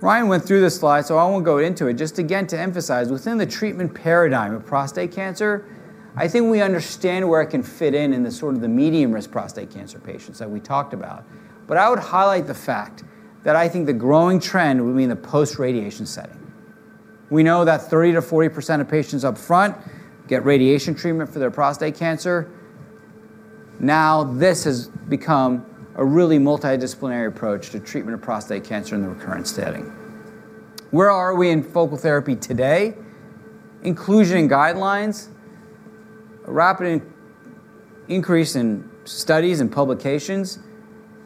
Ryan went through this slide; I won't go into it. Just again, to emphasize, within the treatment paradigm of prostate cancer, I think we understand where I can fit in in the sort of the medium risk prostate cancer patients that we talked about. I would highlight the fact that I think the growing trend will be in the post-radiation setting. We know that 30%-40% of patients up front get radiation treatment for their prostate cancer. This has become a really multidisciplinary approach to treatment of prostate cancer in the recurrent setting. Where are we in focal therapy today? Inclusion in guidelines, a rapid increase in studies and publications,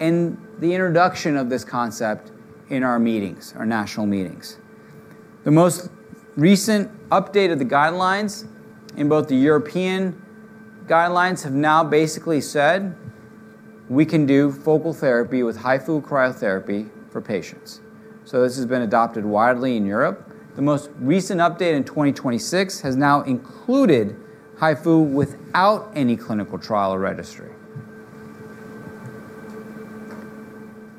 and the introduction of this concept in our meetings, our national meetings. The most recent update of the guidelines in both the European guidelines has now basically said we can do focal therapy with HIFU cryotherapy for patients. This has been adopted widely in Europe. The most recent update in 2026 has now included HIFU without any clinical trial or registry.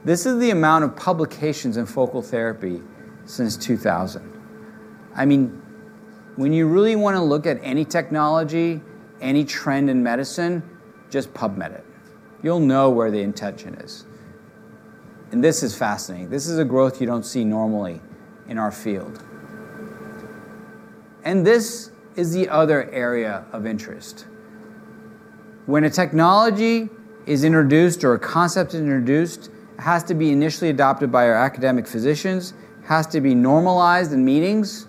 This is the amount of publications in focal therapy since 2000. When you really want to look at any technology, any trend in medicine, just PubMed it. You'll know where the intention is. This is fascinating. This is a growth you don't see normally in our field. This is the other area of interest. When a technology is introduced or a concept is introduced, it has to be initially adopted by our academic physicians, has to be normalized in meetings,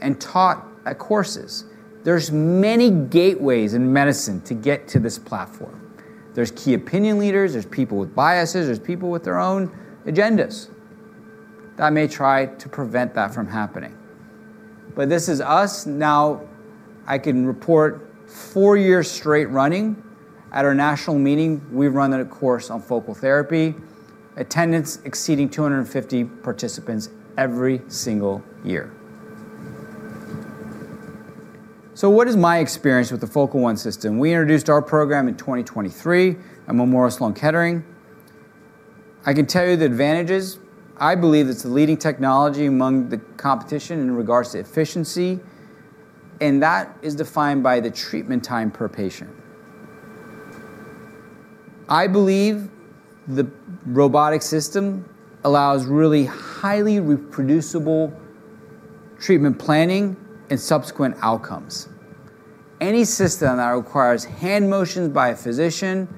and taught at courses. There's many gateways in medicine to get to this platform. There's key opinion leaders, there's people with biases, there's people with their own agendas that may try to prevent that from happening. This is us now. I can report four years straight running at our national meeting; we've run a course on focal therapy, attendance exceeding 250 participants every single year. What is my experience with the Focal One system? We introduced our program in 2023 at Memorial Sloan Kettering. I can tell you the advantages. I believe it's the leading technology among the competition in regards to efficiency, and that is defined by the treatment time per patient. I believe the robotic system allows really highly reproducible treatment planning and subsequent outcomes. Any system that requires hand motions by a physician,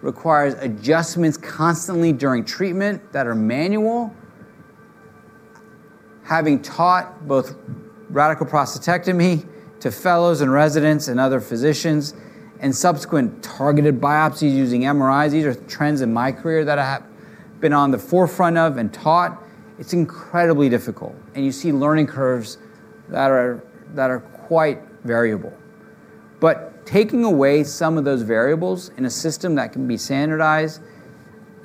requires adjustments constantly during treatment that are manual. Having taught both radical prostatectomy to fellows and residents and other physicians and subsequent targeted biopsies using MRIs, these are trends in my career that I have been on the forefront of and taught. It's incredibly difficult, and you see learning curves that are quite variable. Taking away some of those variables in a system that can be standardized,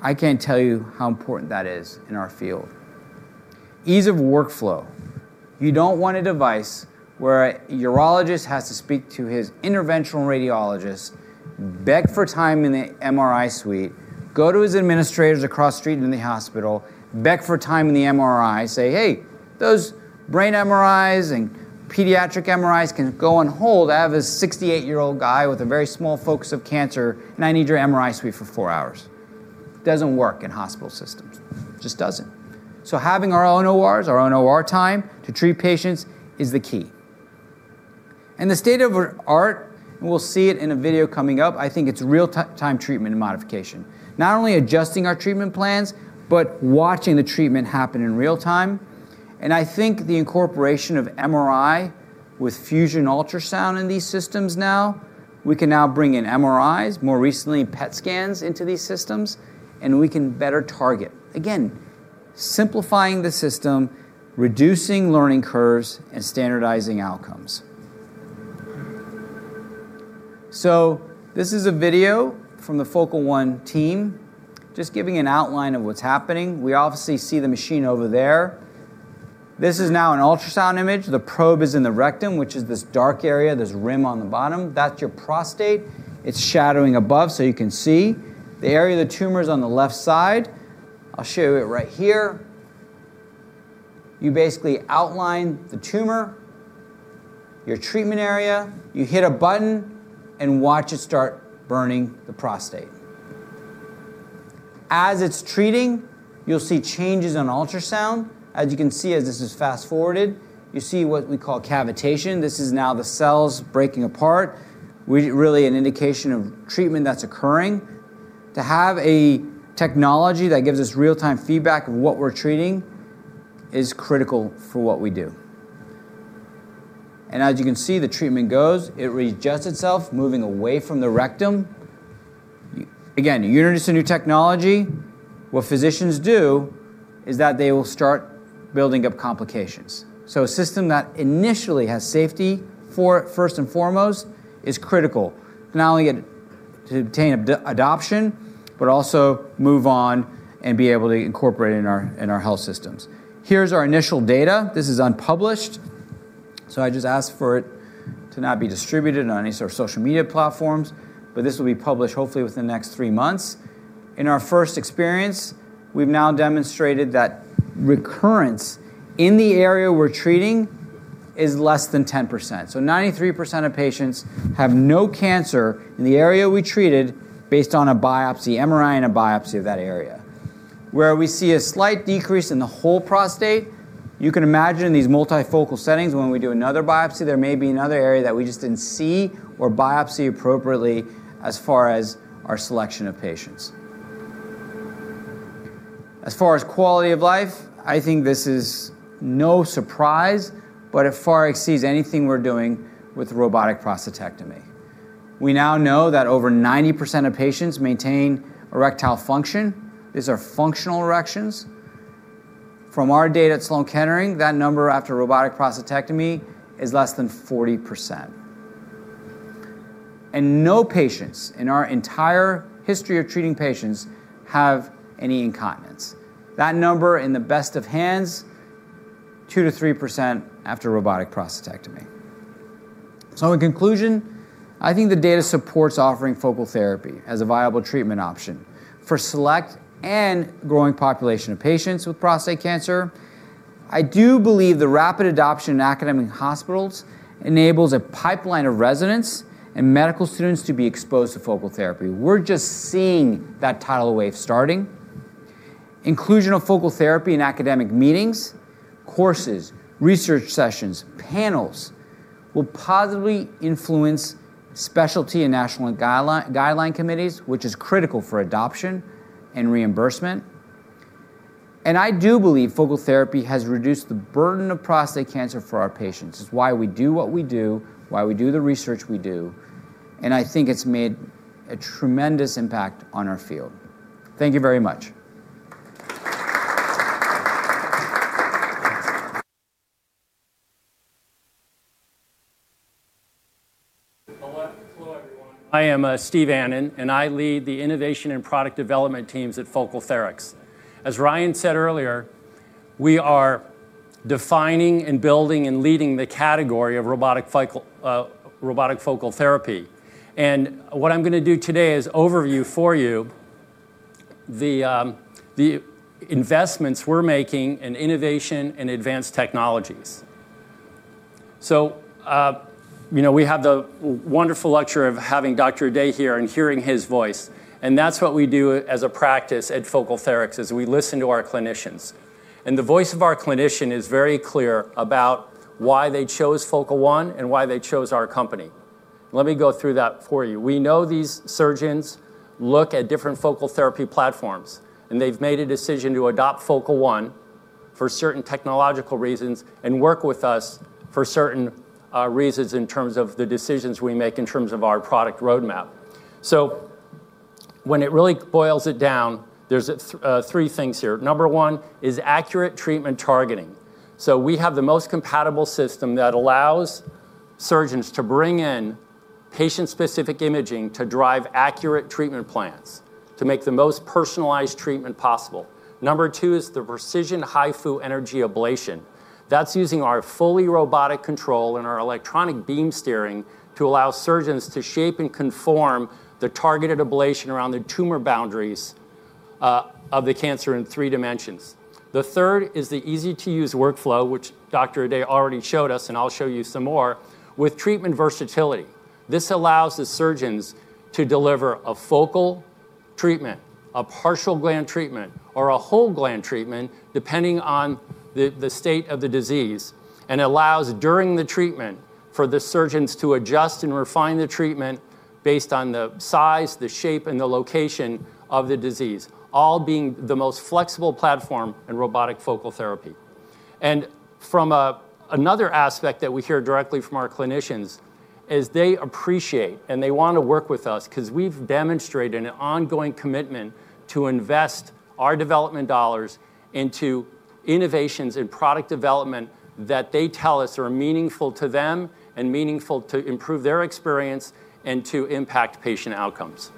I can't tell you how important that is in our field. Ease of workflow. You don't want a device where a urologist has to speak to his interventional radiologist, beg for time in the MRI suite, go to his administrators across the street in the hospital, beg for time in the MRI, say, "Hey, those brain MRIs and pediatric MRIs can go on hold. I have this 68-year-old guy with a very small focus of cancer, and I need your MRI suite for four hours." Doesn't work in hospital systems. Just doesn't. Having our own ORs, our own OR time to treat patients is the key. The state-of-the-art, and we'll see it in a video coming up, I think it's real-time treatment and modification. Not only adjusting our treatment plans, but watching the treatment happen in real time. I think the incorporation of MRI with fusion ultrasound in these systems now, we can now bring in MRIs, more recently PET scans into these systems, and we can better target. Again, simplifying the system, reducing learning curves, and standardizing outcomes. This is a video from the Focal One team, just giving an outline of what's happening. We obviously see the machine over there. This is now an ultrasound image. The probe is in the rectum, which is this dark area, this rim on the bottom. That's your prostate. It's shadowing above, so you can see. The area of the tumor is on the left side. I'll show it right here. You basically outline the tumor, your treatment area. You hit a button and watch it start burning the prostate. As it's treating, you'll see changes on ultrasound. As you can see, as this is fast-forwarded, you see what we call cavitation. This is now the cells breaking apart. Really an indication of treatment that's occurring. To have a technology that gives us real-time feedback of what we're treating is critical for what we do. As you can see, the treatment goes, it readjusts itself, moving away from the rectum. Again, you introduce a new technology; what physicians do is that they will start building up complications. A system that initially has safety first and foremost is critical, not only to obtain adoption, but also move on and be able to incorporate it in our health systems. Here's our initial data. This is unpublished. I just asked for it to not be distributed on any sort of social media platforms. This will be published hopefully within the next three months. In our first experience, we've now demonstrated that recurrence in the area we're treating is less than 10%. 93% of patients have no cancer in the area we treated based on a biopsy, MRI, and a biopsy of that area. Where we see a slight decrease in the whole prostate, you can imagine these multifocal settings, when we do another biopsy, there may be another area that we just didn't see or biopsy appropriately as far as our selection of patients. As far as quality of life, I think this is no surprise, but it far exceeds anything we're doing with robotic prostatectomy. We now know that over 90% of patients maintain erectile function. These are functional erections. From our data at Sloan Kettering, that number after robotic prostatectomy is less than 40%. No patients in our entire history of treating patients have any incontinence. That number, in the best of hands, 2% to 3% after robotic prostatectomy. In conclusion, I think the data supports offering focal therapy as a viable treatment option for select and growing population of patients with prostate cancer. I do believe the rapid adoption in academic hospitals enables a pipeline of residents and medical students to be exposed to focal therapy. We're just seeing that tidal wave starting. Inclusion of focal therapy in academic meetings, courses, research sessions, panels will positively influence specialty and national guideline committees, which is critical for adoption and reimbursement. I do believe focal therapy has reduced the burden of prostate cancer for our patients. It's why we do what we do, why we do the research we do, and I think it's made a tremendous impact on our field. Thank you very much. Hello, everyone. I am Steve Annen. I lead the innovation and product development teams at FocalTherics. As Ryan said earlier, we are defining and building and leading the category of robotic focal therapy. What I'm going to do today is overview for you the investments we're making in innovation and advanced technologies. We have the wonderful lecture of having Dr. Ehdaie here and hearing his voice. That's what we do as a practice at FocalTherics: we listen to our clinicians. The voice of our clinician is very clear about why they chose Focal One and why they chose our company. Let me go through that for you. We know these surgeons look at different focal therapy platforms, and they've made a decision to adopt Focal One for certain technological reasons and work with us for certain reasons in terms of the decisions we make in terms of our product roadmap. When it really boils it down, there's three things here. Number one is accurate treatment targeting. We have the most compatible system that allows surgeons to bring in patient-specific imaging to drive accurate treatment plans to make the most personalized treatment possible. Number two is the precision HIFU energy ablation. That's using our fully robotic control and our electronic beam steering to allow surgeons to shape and conform the targeted ablation around the tumor boundaries of the cancer in three dimensions. The third is the easy-to-use workflow, which Dr. Ehdaie already showed us, and I'll show you some more with treatment versatility. This allows the surgeons to deliver a focal treatment, a partial gland treatment, or a whole gland treatment, depending on the state of the disease. Allows, during the treatment, for the surgeons to adjust and refine the treatment based on the size, the shape, and the location of the disease, all being the most flexible platform in robotic focal therapy. From another aspect that we hear directly from our clinicians is they appreciate and they want to work with us because we've demonstrated an ongoing commitment to invest our development dollars into innovations in product development that they tell us are meaningful to them and meaningful to improve their experience and to impact patient outcomes.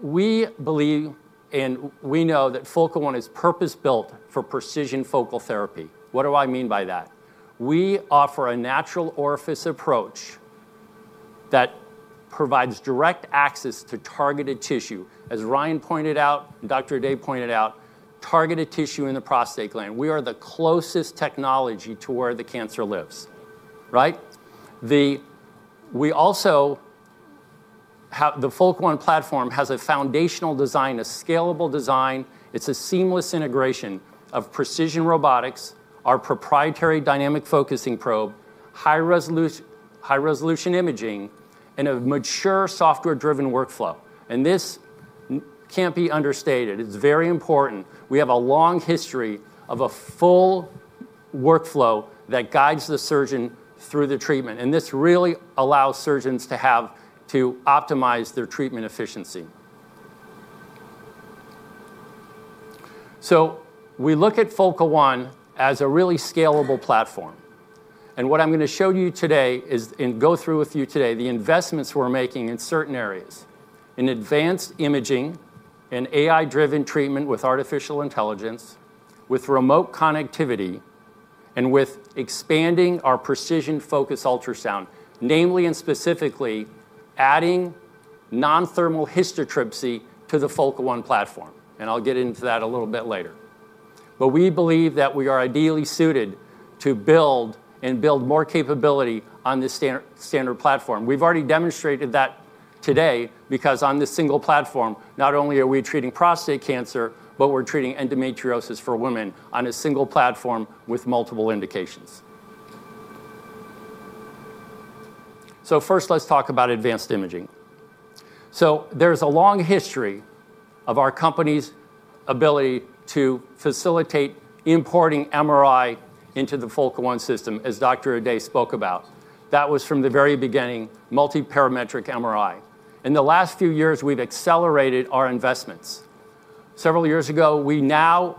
We believe and we know that Focal One is purpose-built for precision focal therapy. What do I mean by that? We offer a natural orifice approach that provides direct access to targeted tissue. As Ryan pointed out, and Dr. Ehdaie pointed out, targeted tissue in the prostate gland. We are the closest technology to where the cancer lives. The Focal One platform has a foundational design, a scalable design. It's a seamless integration of precision robotics, our proprietary dynamic focusing probe, high-resolution imaging, and a mature software-driven workflow. This can't be understated. It's very important. We have a long history of a full workflow that guides the surgeon through the treatment, and this really allows surgeons to optimize their treatment efficiency. We look at Focal One as a really scalable platform. What I'm going to show you today is, and go through with you today, the investments we're making in certain areas in advanced imaging and AI-driven treatment with artificial intelligence, with remote connectivity, and with expanding our precision focus ultrasound, namely and specifically adding non-thermal histotripsy to the Focal One platform, and I'll get into that a little bit later. We believe that we are ideally suited to build and build more capability on this standard platform. We've already demonstrated that today because on this single platform, not only are we treating prostate cancer, but we're treating endometriosis for women on a single platform with multiple indications. First, let's talk about advanced imaging. There's a long history of our company's ability to facilitate importing MRI into the Focal One system, as Dr. Ehdaie spoke about. That was from the very beginning, multiparametric MRI. In the last few years, we've accelerated our investments. Several years ago, we now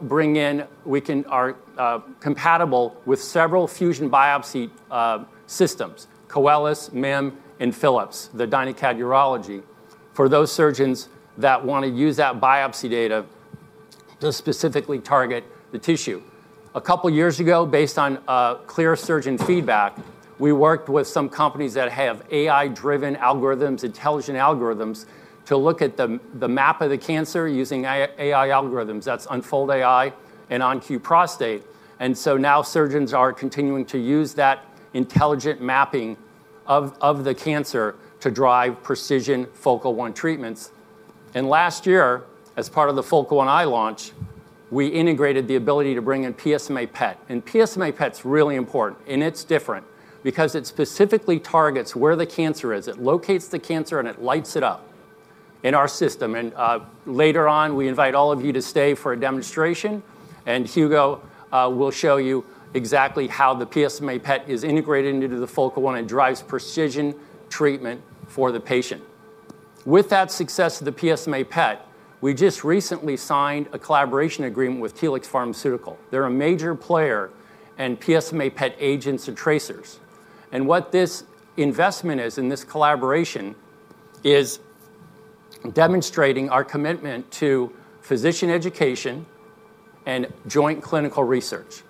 are compatible with several fusion biopsy systems, Koelis, MIM, and Philips' the DynaCAD Urology, for those surgeons that want to use that biopsy data to specifically target the tissue. A couple of years ago, based on clear surgeon feedback, we worked with some companies that have AI-driven algorithms, intelligent algorithms, to look at the map of the cancer using AI algorithms. That's Unfold AI and OnQ Prostate. Now surgeons are continuing to use that intelligent mapping of the cancer to drive precision Focal One treatments. Last year, as part of the Focal One i launch, we integrated the ability to bring in PSMA PET. PSMA PET is really important, and it's different because it specifically targets where the cancer is. It locates the cancer, and it lights it up in our system. Later on, we invite all of you to stay for a demonstration, Hugo will show you exactly how the PSMA PET is integrated into the Focal One. It drives precision treatment for the patient. With that success of the PSMA PET, we just recently signed a collaboration agreement with Telix Pharmaceuticals. They're a major player in PSMA PET agents and tracers. What this investment is, and this collaboration, is demonstrating our commitment to physician education and joint clinical research.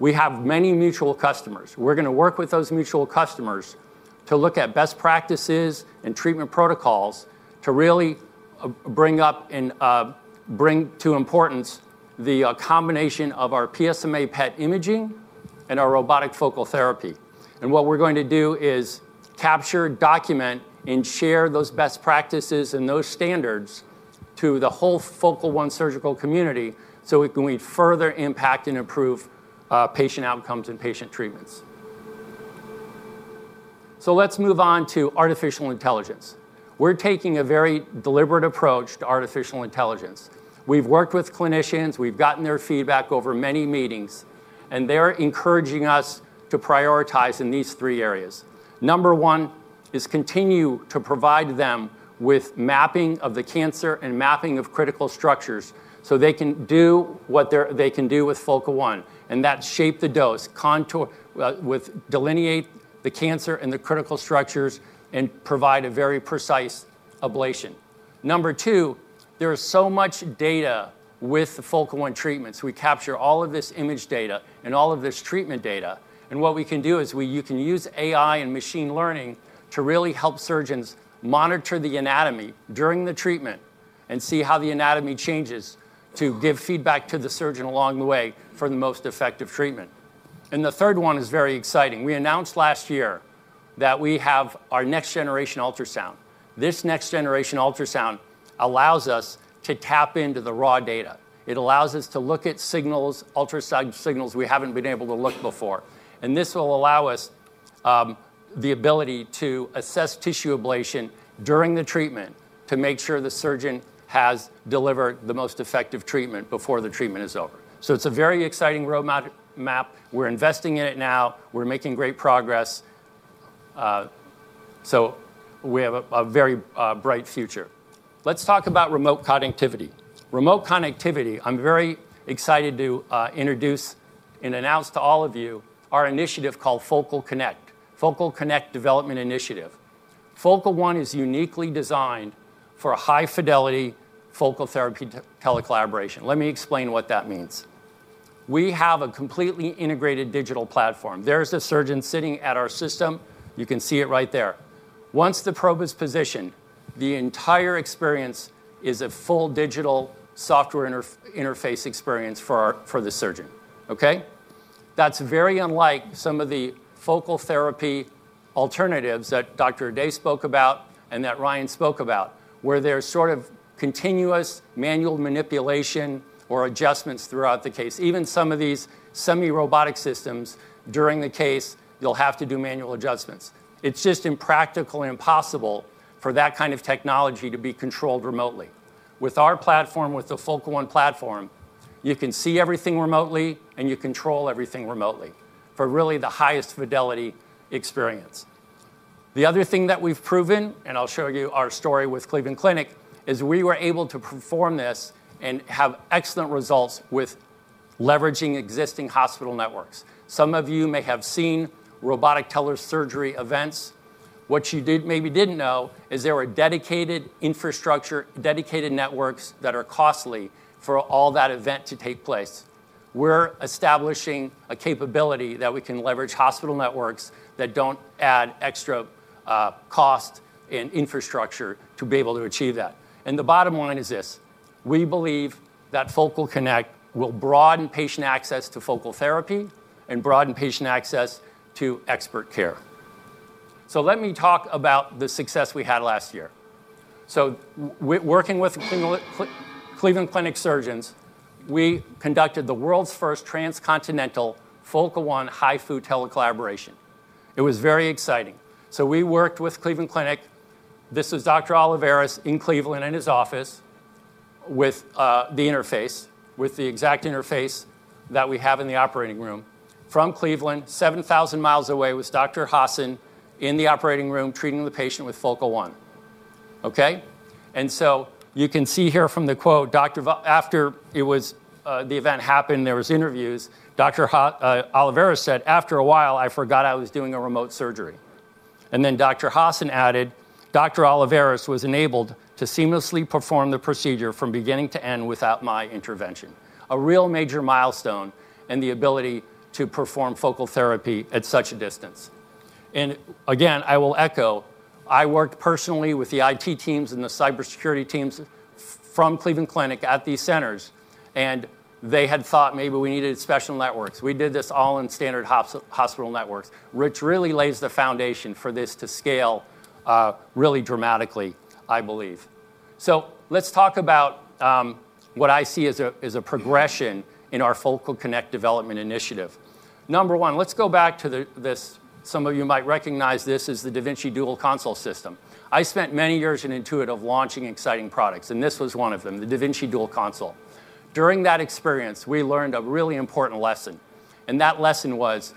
We have many mutual customers. We're going to work with those mutual customers to look at best practices and treatment protocols to really bring to importance the combination of our PSMA PET imaging and our robotic focal therapy. What we're going to do is capture, document, and share those best practices and those standards to the whole Focal One surgical community so we can further impact and improve patient outcomes and patient treatments. Let's move on to artificial intelligence. We're taking a very deliberate approach to artificial intelligence. We've worked with clinicians, we've gotten their feedback over many meetings, and they're encouraging us to prioritize in these three areas. Number one is continue to provide them with mapping of the cancer and mapping of critical structures so they can do what they can do with Focal One, and that's shape the dose, delineate the cancer and the critical structures, and provide a very precise ablation. Number two, there is so much data with the Focal One treatments. We capture all of this image data and all of this treatment data. What we can do is you can use AI and machine learning to really help surgeons monitor the anatomy during the treatment and see how the anatomy changes to give feedback to the surgeon along the way for the most effective treatment. The third one is very exciting. We announced last year that we have our next-generation ultrasound. This next-generation ultrasound allows us to tap into the raw data. It allows us to look at ultrasound signals we haven't been able to look before. This will allow us the ability to assess tissue ablation during the treatment to make sure the surgeon has delivered the most effective treatment before the treatment is over. It's a very exciting roadmap. We're investing in it now. We're making great progress. We have a very bright future. Let's talk about remote connectivity. Remote connectivity, I'm very excited to introduce and announce to all of you our initiative called Focal Connect. Focal Connect Development Initiative. Focal One is uniquely designed for a high-fidelity focal therapy telecollaboration. Let me explain what that means. We have a completely integrated digital platform. There's a surgeon sitting at our system. You can see it right there. Once the probe is positioned, the entire experience is a full digital software interface experience for the surgeon. Okay? That's very unlike some of the focal therapy alternatives that Dr. Ehdaie spoke about and that Ryan spoke about, where there's sort of continuous manual manipulation or adjustments throughout the case. Even some of these semi-robotic systems, during the case, you'll have to do manual adjustments. It's just impractical and impossible for that kind of technology to be controlled remotely. With our platform, with the Focal One platform, you can see everything remotely, and you control everything remotely for really the highest fidelity experience. The other thing that we've proven, and I'll show you our story with Cleveland Clinic, is we were able to perform this and have excellent results with leveraging existing hospital networks. Some of you may have seen robotic tele-surgery events. What you maybe didn't know is there are dedicated infrastructure, dedicated networks that are costly for all that event to take place. We're establishing a capability that we can leverage hospital networks that don't add extra cost and infrastructure to be able to achieve that. The bottom line is this: we believe that Focal Connect will broaden patient access to focal therapy and broaden patient access to expert care. Let me talk about the success we had last year. Working with Cleveland Clinic surgeons, we conducted the world's first transcontinental Focal One HIFU telecollaboration. It was very exciting. We worked with Cleveland Clinic. This is Dr. Olivares in Cleveland in his office with the interface, with the exact interface that we have in the operating room. From Cleveland, 7,000 miles away, was Dr. Hassan in the operating room treating the patient with Focal One. Okay? You can see here from the quote, after the event happened, there was interviews. Dr. Olivares said, "After a while, I forgot I was doing a remote surgery." Dr. Hassen added, "Dr. Olivares was enabled to seamlessly perform the procedure from beginning to end without my intervention." A real major milestone in the ability to perform focal therapy at such a distance. Again, I will echo, I worked personally with the IT teams and the cybersecurity teams from Cleveland Clinic at these centers, and they had thought maybe we needed special networks. We did this all in standard hospital networks, which really lays the foundation for this to scale, really dramatically, I believe. Let's talk about what I see as a progression in our Focal Connect development initiative. Number 1, let's go back to this. Some of you might recognize this as the da Vinci Dual Console system. I spent many years in Intuitive launching exciting products, and this was one of them, the da Vinci Dual Console. During that experience, we learned a really important lesson: that lesson was,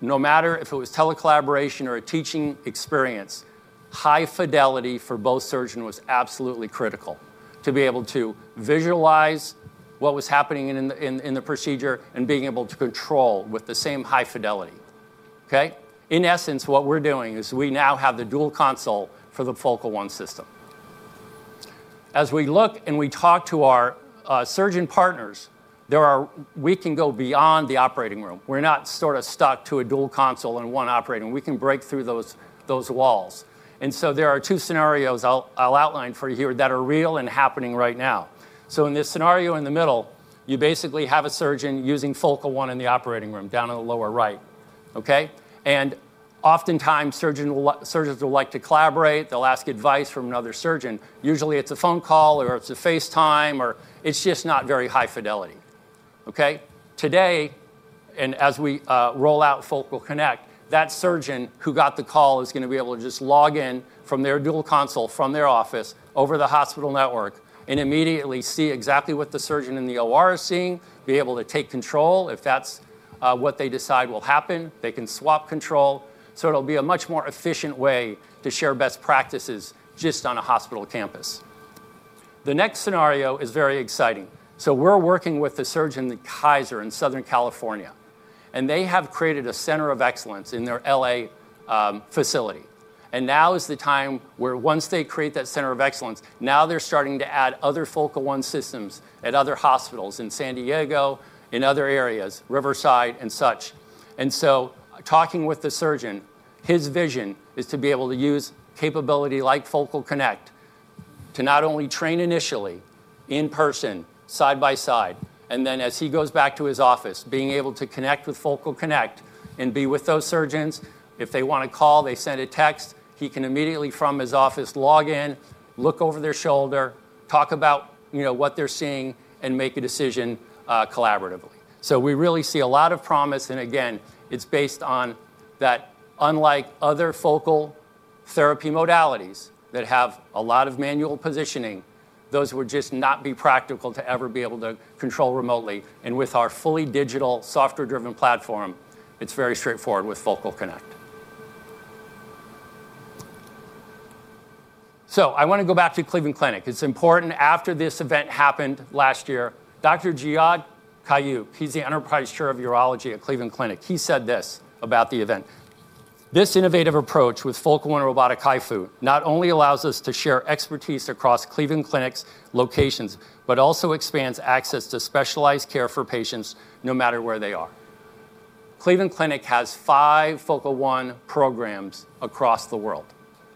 no matter if it was telecollaboration or a teaching experience, high fidelity for both surgeons was absolutely critical to be able to visualize what was happening in the procedure and being able to control with the same high fidelity. Okay? In essence, what we're doing is we now have the dual console for the Focal One system. As we look and we talk to our surgeon partners, we can go beyond the operating room. We're not sort of stuck to a dual console in one operating. We can break through those walls. There are two scenarios I'll outline for you here that are real and happening right now. In this scenario in the middle, you basically have a surgeon using Focal One in the operating room, down in the lower right. Okay? Oftentimes, surgeons will like to collaborate. They'll ask advice from another surgeon. Usually, it's a phone call, or it's a FaceTime, or it's just not very high fidelity. Okay. Today, as we roll out Focal Connect, that surgeon who got the call is going to be able to just log in from their dual console, from their office, over the hospital network, and immediately see exactly what the surgeon in the OR is seeing, be able to take control if that's what they decide will happen, they can swap control. It'll be a much more efficient way to share best practices just on a hospital campus. The next scenario is very exciting. We're working with a surgeon at Kaiser in Southern California. They have created a center of excellence in their L.A. facility. Now is the time where once they create that center of excellence, they're starting to add other Focal One systems at other hospitals in San Diego, in other areas, Riverside and such. Talking with the surgeon, his vision is to be able to use capability like Focal Connect to not only train initially in person, side by side, then as he goes back to his office, being able to connect with Focal Connect and be with those surgeons. If they want to call, they send a text; he can immediately, from his office, log in, look over their shoulder, talk about what they're seeing, and make a decision collaboratively. We really see a lot of promise. Again, it's based on that unlike other focal therapy modalities that have a lot of manual positioning, those would just not be practical to ever be able to control remotely. With our fully digital software-driven platform, it's very straightforward with Focal Connect. I want to go back to Cleveland Clinic. It's important. After this event happened last year, Dr. Jihad Kaouk, he's the enterprise chair of urology at Cleveland Clinic, he said this about the event. "This innovative approach with Focal One robotic HIFU not only allows us to share expertise across Cleveland Clinic's locations, but also expands access to specialized care for patients, no matter where they are." Cleveland Clinic has five Focal One programs across the world,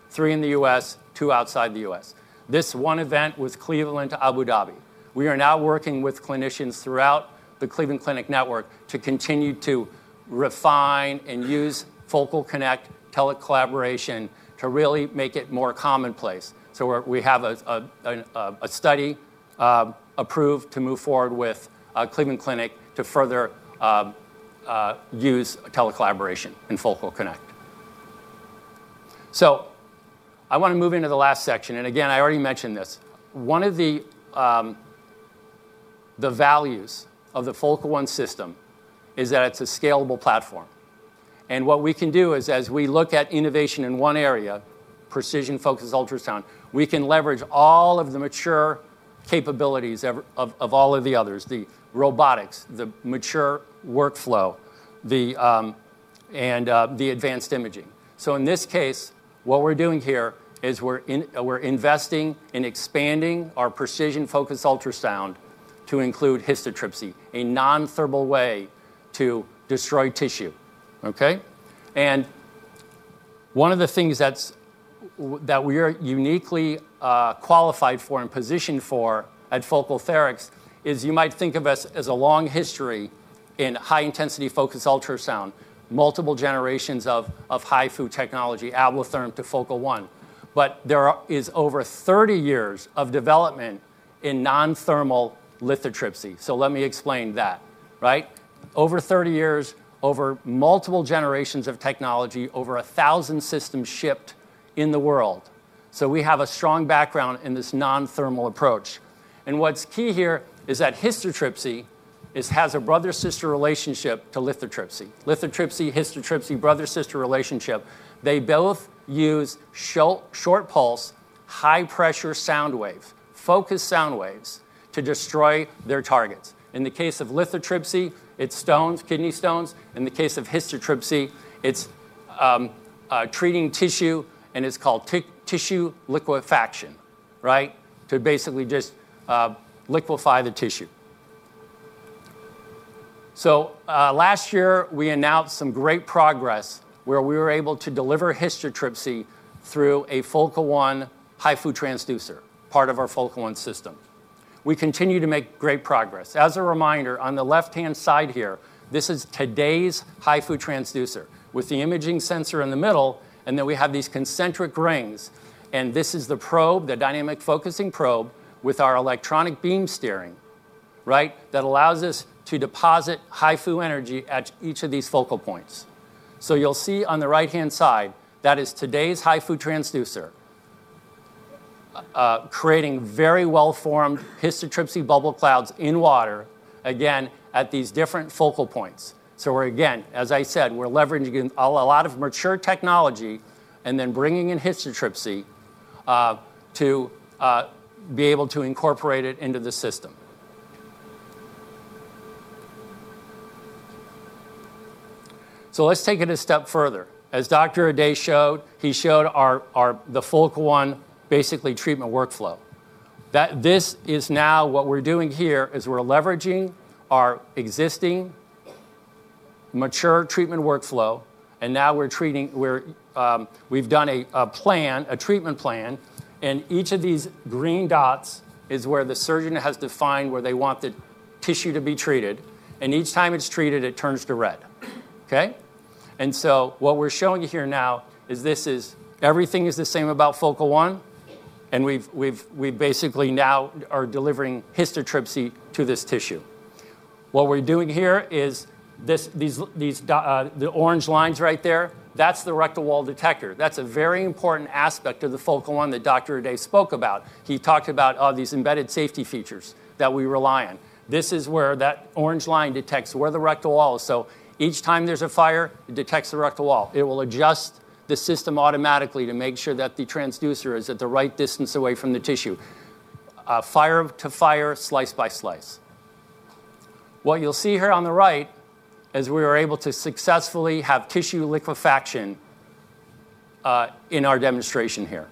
three in the U.S., two outside the U.S. This one event was Cleveland to Abu Dhabi. We are now working with clinicians throughout the Cleveland Clinic network to continue to refine and use Focal Connect telecollaboration to really make it more commonplace. We have a study approved to move forward with Cleveland Clinic to further use telecollaboration in Focal Connect. I want to move into the last section, and again, I already mentioned this. One of the values of the Focal One system is that it's a scalable platform. What we can do is as we look at innovation in one area, precision-focused ultrasound, we can leverage all of the mature capabilities of all of the others: the robotics, the mature workflow, and the advanced imaging. In this case, what we're doing here is we're investing in expanding our precision-focused ultrasound to include histotripsy, a non-thermal way to destroy tissue. Okay? One of the things that we are uniquely qualified for and positioned for at FocalTherics is you might think of us as a long history in high-intensity focused ultrasound, multiple generations of HIFU technology, Ablatherm to Focal One. There is over 30 years of development in non-thermal lithotripsy. Let me explain that. Over 30 years, over multiple generations of technology, over 1,000 systems shipped in the world. We have a strong background in this non-thermal approach. What's key here is that histotripsy has a brother-sister relationship to lithotripsy. Lithotripsy, histotripsy, brother-sister relationship. They both use short-pulse, high-pressure sound wave, focused sound waves to destroy their targets. In the case of lithotripsy, it's stones, kidney stones. In the case of histotripsy, it's treating tissue, and it's called tissue liquefaction, to basically just liquefy the tissue. Last year, we announced some great progress where we were able to deliver histotripsy through a Focal One HIFU transducer, part of our Focal One system. We continue to make great progress. As a reminder, on the left-hand side here, this is today's HIFU transducer with the imaging sensor in the middle, and then we have these concentric rings. This is the probe, the dynamic focusing probe, with our electronic beam steering. That allows us to deposit HIFU energy at each of these focal points. You'll see on the right-hand side that that is today's HIFU transducer, creating very well-formed histotripsy bubble clouds in water, again, at these different focal points. We're, again, as I said, we're leveraging a lot of mature technology and then bringing in histotripsy to be able to incorporate it into the system. Let's take it a step further. As Dr. Ehdaie showed, he showed the Focal One, basically, treatment workflow. What we're doing here is we're leveraging our existing mature treatment workflow, and now we've done a treatment plan, and each of these green dots is where the surgeon has defined where they want the tissue to be treated, and each time it's treated, it turns to red. Okay? What we're showing you here now is this is everything is the same about Focal One, and we basically now are delivering histotripsy to this tissue. What we're doing here is, the orange lines right there, that's the rectal wall detector. That's a very important aspect of the Focal One that Dr. Ehdaie spoke about. He talked about these embedded safety features that we rely on. This is where that orange line detects where the rectal wall is. Each time there's a fire, it detects the rectal wall. It will adjust the system automatically to make sure that the transducer is at the right distance away from the tissue, fire to fire, slice by slice. What you'll see here on the right is that we were able to successfully have tissue liquefaction in our demonstration here.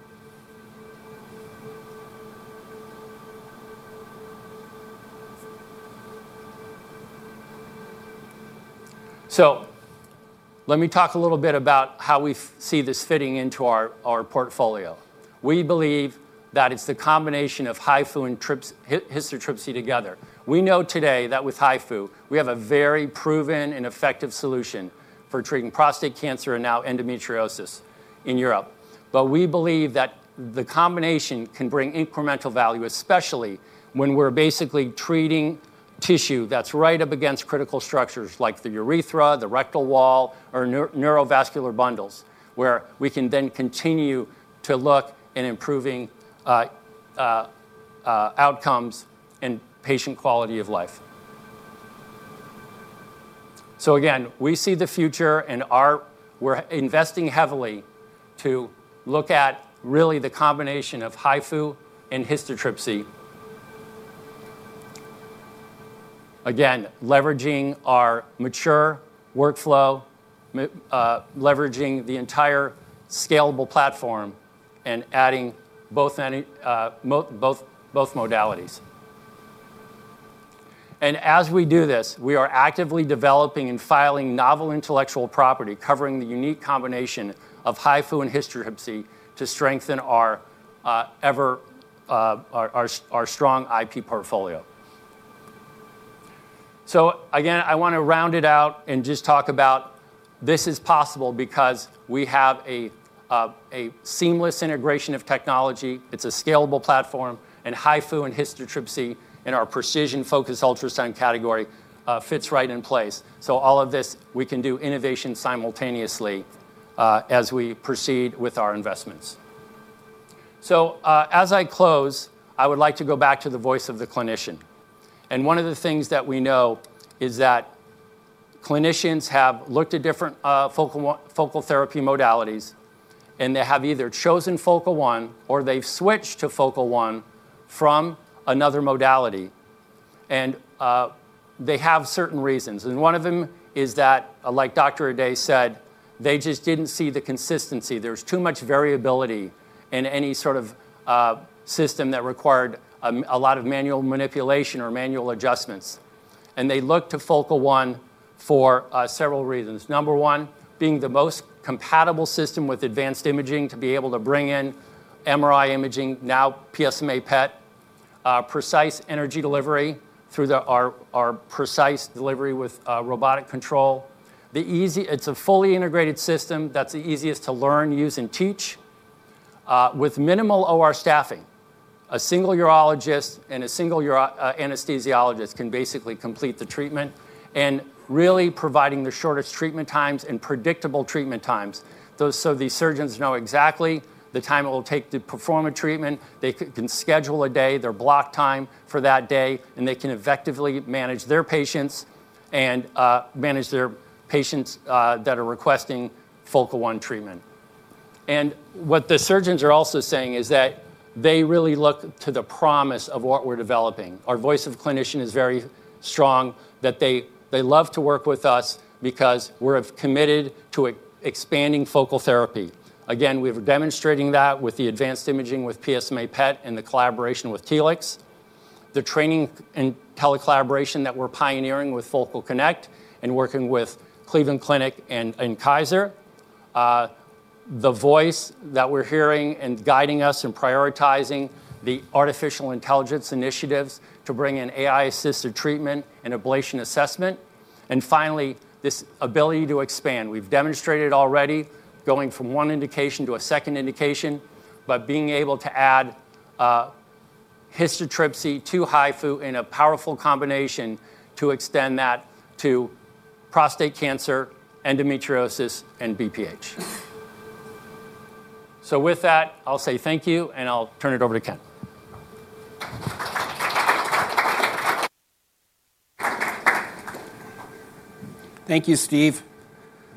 Let me talk a little bit about how we see this fitting into our portfolio. We believe that it's the combination of HIFU and histotripsy together. We know today that with HIFU, we have a very proven and effective solution for treating prostate cancer and now endometriosis in Europe. We believe that the combination can bring incremental value, especially when we're basically treating tissue that's right up against critical structures like the urethra, the rectal wall, or neurovascular bundles, where we can then continue to look in improving outcomes and patient quality of life. Again, we see the future and we're investing heavily to look at really the combination of HIFU and histotripsy. Again, leveraging our mature workflow, leveraging the entire scalable platform, and adding both modalities. As we do this, we are actively developing and filing novel intellectual property, covering the unique combination of HIFU and histotripsy to strengthen our strong IP portfolio. Again, I want to round it out and just talk about this is possible because we have a seamless integration of technology. It's a scalable platform, HIFU and histotripsy in our precision-focused ultrasound category, fits right in place. All of this, we can do innovation simultaneously as we proceed with our investments. As I close, I would like to go back to the voice of the clinician. One of the things that we know is that clinicians have looked at different focal therapy modalities, and they have either chosen Focal One or they've switched to Focal One from another modality. They have certain reasons. One of them is that, like Dr. Ehdaie said, they just didn't see the consistency. There's too much variability in any sort of system that required a lot of manual manipulation or manual adjustments. They look to Focal One for several reasons. Number one, being the most compatible system with advanced imaging to be able to bring in MRI imaging, now PSMA PET, precise energy delivery through our precise delivery with robotic control. It's a fully integrated system that's the easiest to learn, use, and teach, with minimal OR staffing. A single urologist and a single anesthesiologist can basically complete the treatment and really providing the shortest treatment times and predictable treatment times. The surgeons know exactly the time it will take to perform a treatment. They can schedule a day, their block time for that day, and they can effectively manage their patients and manage their patients that are requesting Focal One treatment. What the surgeons are also saying is that they really look to the promise of what we're developing. Our voice of clinician is very strong, that they love to work with us because we're committed to expanding focal therapy. Again, we're demonstrating that with the advanced imaging with PSMA PET and the collaboration with Telix. The training and telecollaboration that we're pioneering with Focal Connect and working with Cleveland Clinic and Kaiser. The voice that we're hearing and guiding us in prioritizing the artificial intelligence initiatives to bring in AI-assisted treatment and ablation assessment. Finally, this ability to expand. We've demonstrated already going from one indication to a second indication, but being able to add histotripsy to HIFU in a powerful combination to extend that to prostate cancer, endometriosis, and BPH. With that, I'll say thank you, and I'll turn it over to Ken. Thank you, Steve.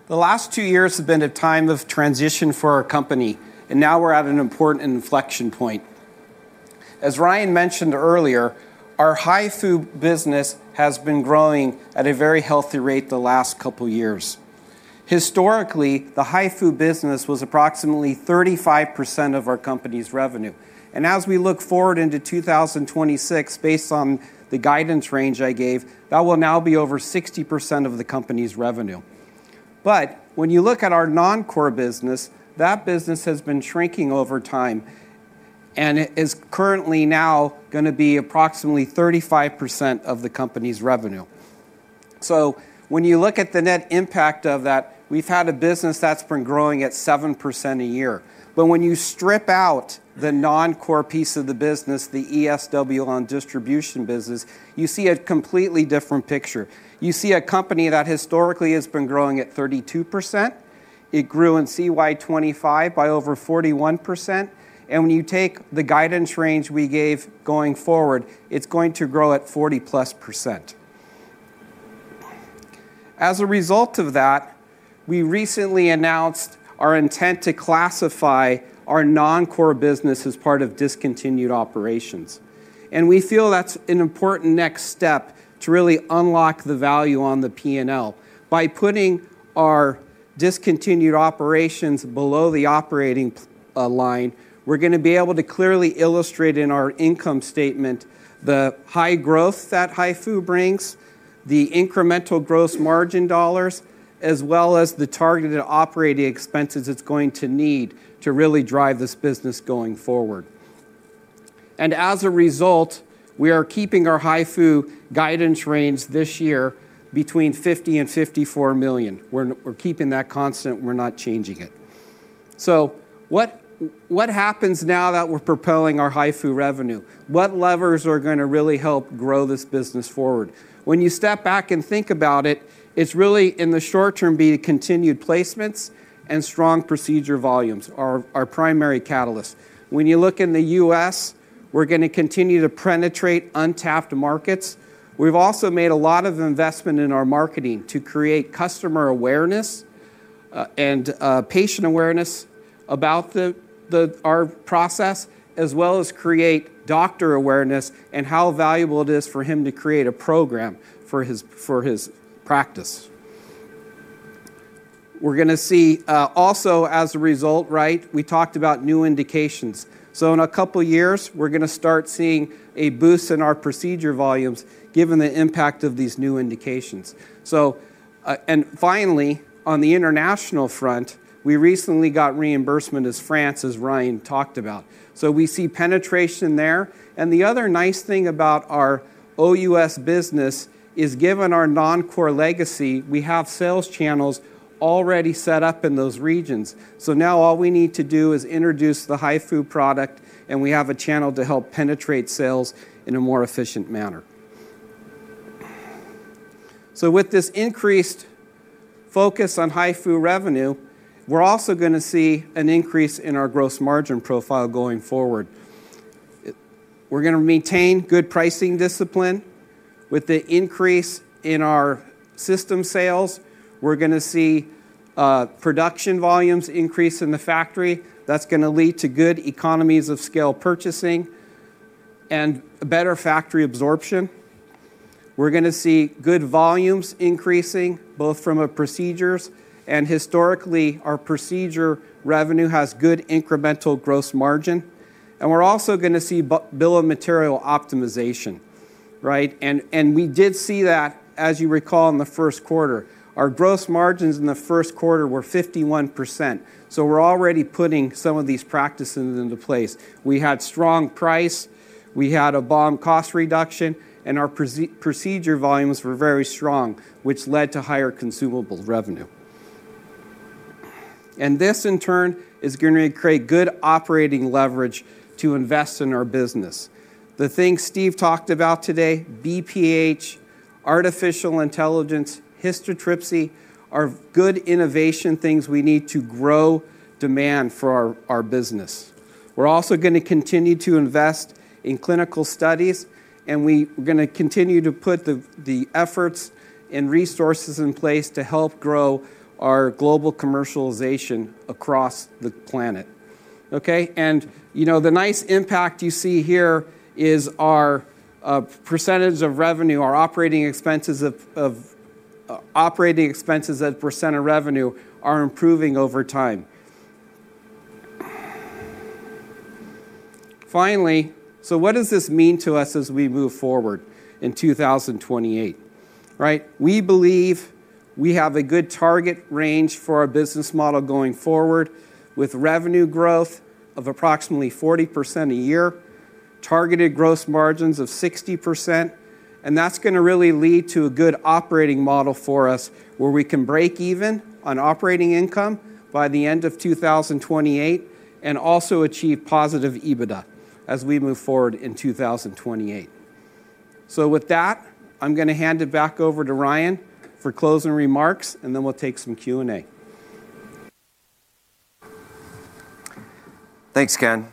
The last two years have been a time of transition for our company, and now we're at an important inflection point. As Ryan mentioned earlier, our HIFU business has been growing at a very healthy rate the last couple of years. Historically, the HIFU business was approximately 35% of our company's revenue. And as we look forward into 2026, based on the guidance range I gave, that will now be over 60% of the company's revenue. When you look at our non-core business, that business has been shrinking over time, and it is currently now going to be approximately 35% of the company's revenue. When you look at the net impact of that, we've had a business that's been growing at 7% a year. When you strip out the non-core piece of the business, the ESWL distribution business, you see a completely different picture. You see a company that historically has been growing at 32%. When you take the guidance range we gave going forward, it's going to grow at 40+%. As a result of that, we recently announced our intent to classify our non-core business as part of discontinued operations. We feel that's an important next step to really unlock the value on the P&L. By putting our discontinued operations below the operating line, we're going to be able to clearly illustrate in our income statement the high growth that HIFU brings, the incremental gross margin dollars, as well as the targeted operating expenses it's going to need to really drive this business going forward. As a result, we are keeping our HIFU guidance range this year between $50 million and $54 million. We're keeping that constant. We're not changing it. What happens now that we're propelling our HIFU revenue? What levers are going to really help grow this business forward? When you step back and think about it, it's really in the short term; continued placements and strong procedure volumes are our primary catalyst. You look in the U.S., we're going to continue to penetrate untapped markets. We've also made a lot of investment in our marketing to create customer awareness and patient awareness about our process, as well as create doctor awareness and how valuable it is for him to create a program for his practice. We're going to see also as a result. We talked about new indications. In a couple of years, we're going to start seeing a boost in our procedure volumes given the impact of these new indications. Finally, on the international front, we recently got reimbursement as France, as Ryan talked about. We see penetration there. The other nice thing about our OUS business is, given our non-core legacy, we have sales channels already set up in those regions. Now all we need to do is introduce the HIFU product, and we have a channel to help penetrate sales in a more efficient manner. With this increased focus on HIFU revenue, we're also going to see an increase in our gross margin profile going forward. We're going to maintain good pricing discipline. With the increase in our system sales, we're going to see production volumes increase in the factory. That's going to lead to good economies of scale purchasing and better factory absorption. We're going to see good volumes increasing both from our procedures, and historically, our procedure revenue has good incremental gross margin. We're also going to see Bill of Materials optimization. We did see that, as you recall, in the first quarter. Our gross margins in the first quarter were 51%. We're already putting some of these practices into place. We had strong prices, we had a BoM cost reduction, and our procedure volumes were very strong, which led to higher consumable revenue. This in turn is going to create good operating leverage to invest in our business. The things Steve talked about today, BPH, artificial intelligence, histotripsy, are good innovation things we need to grow demand for our business. We're also going to continue to invest in clinical studies, and we're going to continue to put the efforts and resources in place to help grow our global commercialization across the planet. Okay. The nice impact you see here is our percentage of revenue; our operating expenses as a percent of revenue are improving over time. Finally, what does this mean to us as we move forward in 2028? We believe we have a good target range for our business model going forward with revenue growth of approximately 40% a year, targeted gross margins of 60%, and that's going to really lead to a good operating model for us where we can break even on operating income by the end of 2028 and also achieve positive EBITDA as we move forward in 2028. With that, I'm going to hand it back over to Ryan for closing remarks, and then we'll take some Q&A. Thanks, Ken.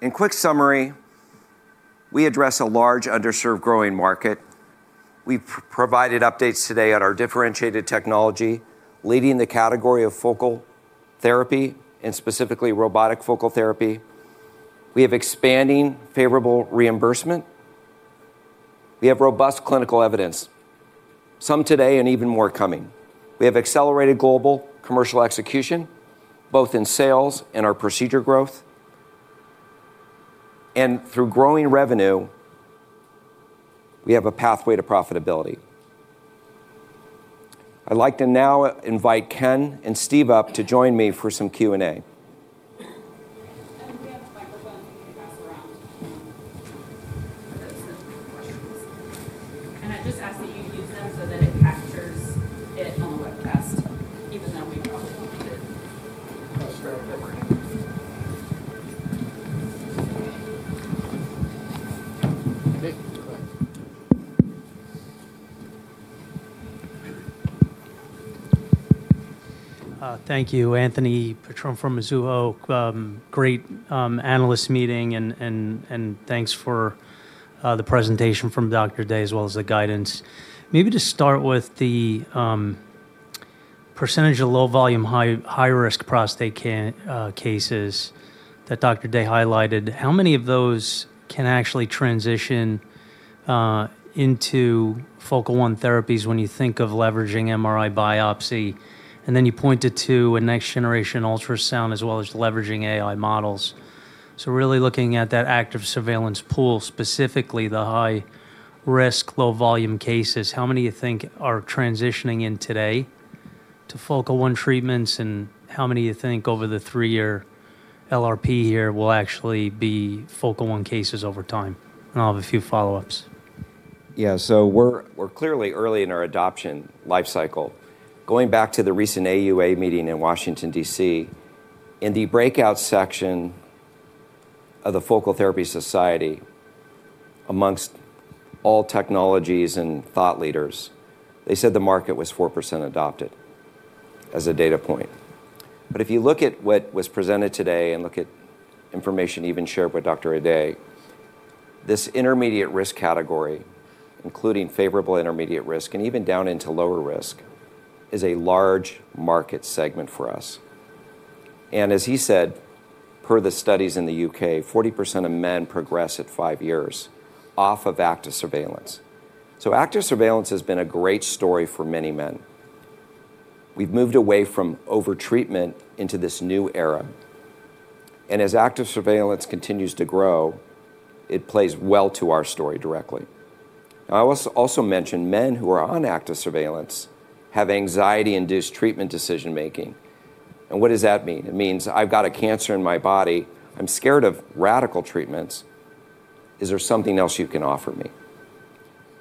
In quick summary, we address a large, underserved, growing market. We've provided updates today on our differentiated technology, leading the category of focal therapy and specifically robotic focal therapy. We have expanding favorable reimbursement. We have robust clinical evidence, some today and even more coming. We have accelerated global commercial execution, both in sales and our procedure growth. Through growing revenue, we have a pathway to profitability. I'd like to now invite Ken and Steve up to join me for some Q&A That's around. Those are the questions. I'd just ask that you use them so that it captures it on the webcast, even though we probably did. I'll start up here. Okay, go ahead. Thank you, Anthony Petrone from Mizuho. Great analyst meeting. Thanks for the presentation from Dr. Ehdaie, as well as the guidance. Maybe to start with the percentage of low-volume, high-risk prostate cases that Dr. Ehdaie highlighted, how many of those can actually transition into Focal One therapies when you think of leveraging MRI biopsy? Then you pointed to a next-generation ultrasound as well as leveraging AI models. Really looking at that active surveillance pool, specifically the high-risk, low-volume cases, how many you think are transitioning in today to Focal One treatments, and how many you think over the three-year LRP here will actually be Focal One cases over time? I'll have a few follow-ups. We're clearly early in our adoption life cycle. Going back to the recent AUA meeting in Washington, D.C., in the breakout section of the Focal Therapy Society, amongst all technologies and thought leaders, they said the market was 4% adopted as a data point. If you look at what was presented today and look at information even shared by Dr. Ehdaie, this intermediate risk category, including favorable intermediate risk and even down into lower risk, is a large market segment for us. As he said, per the studies in the U.K., 40% of men progress at five years off of active surveillance. Active surveillance has been a great story for many men. We've moved away from over-treatment into this new era. As active surveillance continues to grow, it plays well to our story directly. I also mentioned men who are on active surveillance have anxiety-induced treatment decision-making. What does that mean? It means I've got a cancer in my body. I'm scared of radical treatments. Is there something else you can offer me?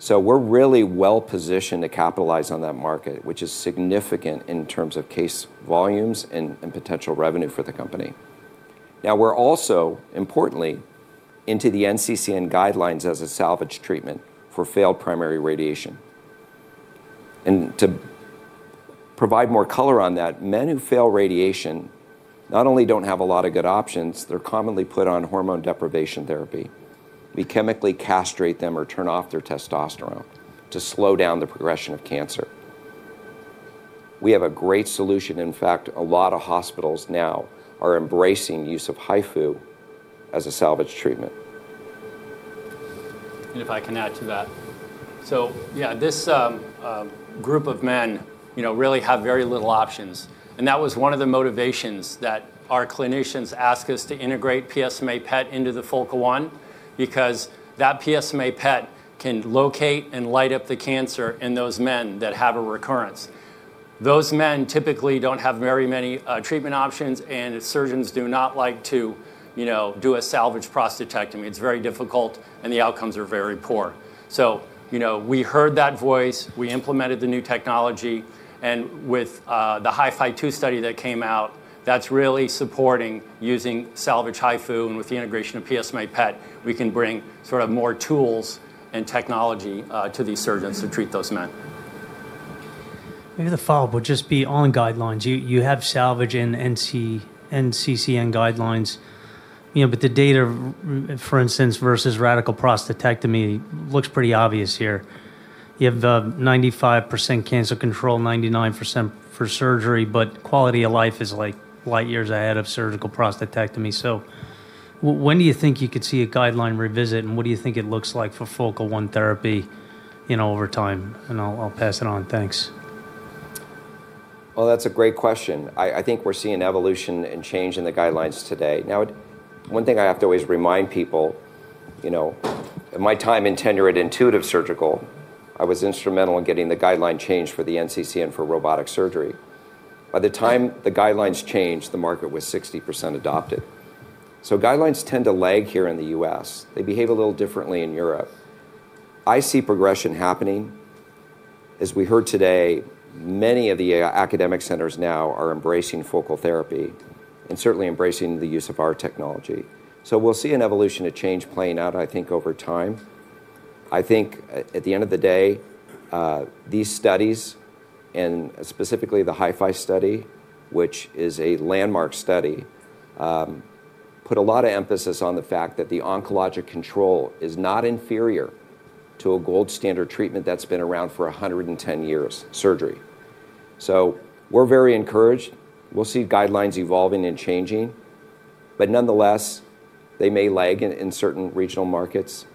We're really well-positioned to capitalize on that market, which is significant in terms of case volumes and potential revenue for the company. We're also, importantly, into the NCCN guidelines as a salvage treatment for failed primary radiation. To provide more color on that, men who fail radiation not only don't have a lot of good options, they're commonly put on hormone deprivation therapy. We chemically castrate them or turn off their testosterone to slow down the progression of cancer. We have a great solution. In fact, a lot of hospitals now are embracing use of HIFU as a salvage treatment. If I can add to that. Yeah, this group of men really have very little options, and that was one of the motivations that our clinicians asked us to integrate PSMA PET into the Focal One, because that PSMA PET can locate and light up the cancer in those men that have a recurrence. Those men typically don't have very many treatment options, and surgeons do not like to do a salvage prostatectomy. It's very difficult, and the outcomes are very poor. We heard that voice, we implemented the new technology, and with the HIFI-2 study that came out, that's really supporting using salvage HIFU, and with the integration of PSMA PET, we can bring more tools and technology to these surgeons to treat those men. Maybe the follow-up would just be on guidelines. You have salvage in NCCN guidelines. The data, for instance, versus radical prostatectomy, looks pretty obvious here. You have the 95% cancer control, 99% for surgery. Quality of life is light years ahead of surgical prostatectomy. When do you think you could see a guideline revisit, and what do you think it looks like for Focal One therapy over time? I'll pass it on. Thanks. Well, that's a great question. I think we're seeing evolution and change in the guidelines today. Now, one thing I have to always remind people, in my time in tenure at Intuitive Surgical, I was instrumental in getting the guideline changed for the NCCN for robotic surgery. By the time the guidelines changed, the market was 60% adopted. Guidelines tend to lag here in the U.S. They behave a little differently in Europe. I see progression happening. As we heard today, many of the academic centers now are embracing focal therapy and certainly embracing the use of our technology. We'll see an evolution of change playing out, I think, over time. I think at the end of the day, these studies, and specifically the HIFI study, which is a landmark study, put a lot of emphasis on the fact that the oncologic control is not inferior to a gold standard treatment that's been around for 110 years, surgery. We're very encouraged. Nonetheless, they may lag in certain regional markets.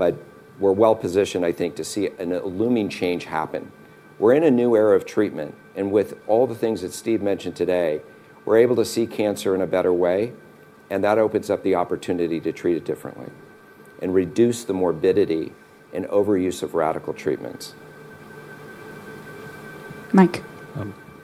We're well-positioned, I think, to see a looming change happen. We're in a new era of treatment, with all the things that Steve mentioned today, we're able to see cancer in a better way, that opens up the opportunity to treat it differently and reduce the morbidity and overuse of radical treatments. Mike.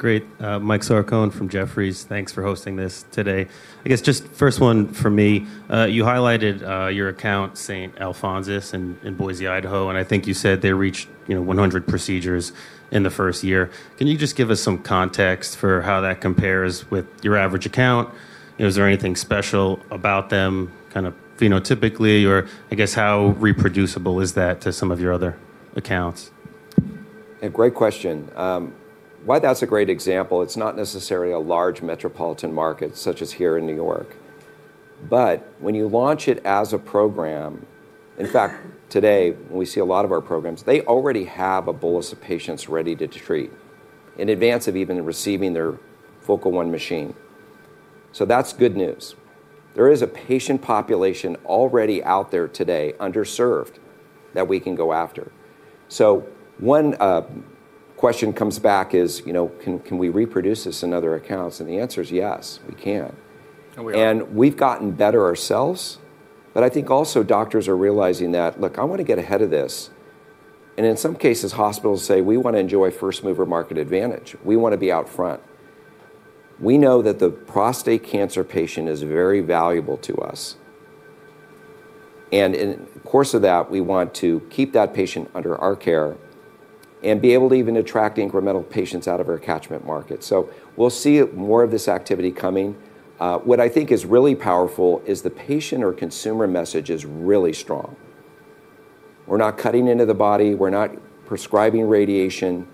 Great. Michael Sarcone from Jefferies. Thanks for hosting this today. I guess just first one from me: you highlighted your account, Saint Alphonsus in Boise, Idaho, and I think you said they reached 100 procedures in the first year. Can you just give us some context for how that compares with your average account? Is there anything special about them phenotypically, or I guess how reproducible is that to some of your other accounts? Yeah, great question. Why that's a great example, it's not necessarily a large metropolitan market such as here in New York. When you launch it as a program, in fact, today, when we see a lot of our programs, they already have a bolus of patients ready to treat in advance of even receiving their Focal One machine. That's good news. There is a patient population already out there today underserved that we can go after. One question comes back is, can we reproduce this in other accounts? The answer is yes, we can. We are. We've gotten better ourselves. I think also doctors are realizing that, look, I want to get ahead of this. In some cases, hospitals say, "We want to enjoy first-mover market advantage. We want to be out front." We know that the prostate cancer patient is very valuable to us, and in the course of that, we want to keep that patient under our care and be able to even attract incremental patients out of our catchment market. We'll see more of this activity coming. What I think is really powerful is the patient or consumer message is really strong. We're not cutting into the body. We're not prescribing radiation.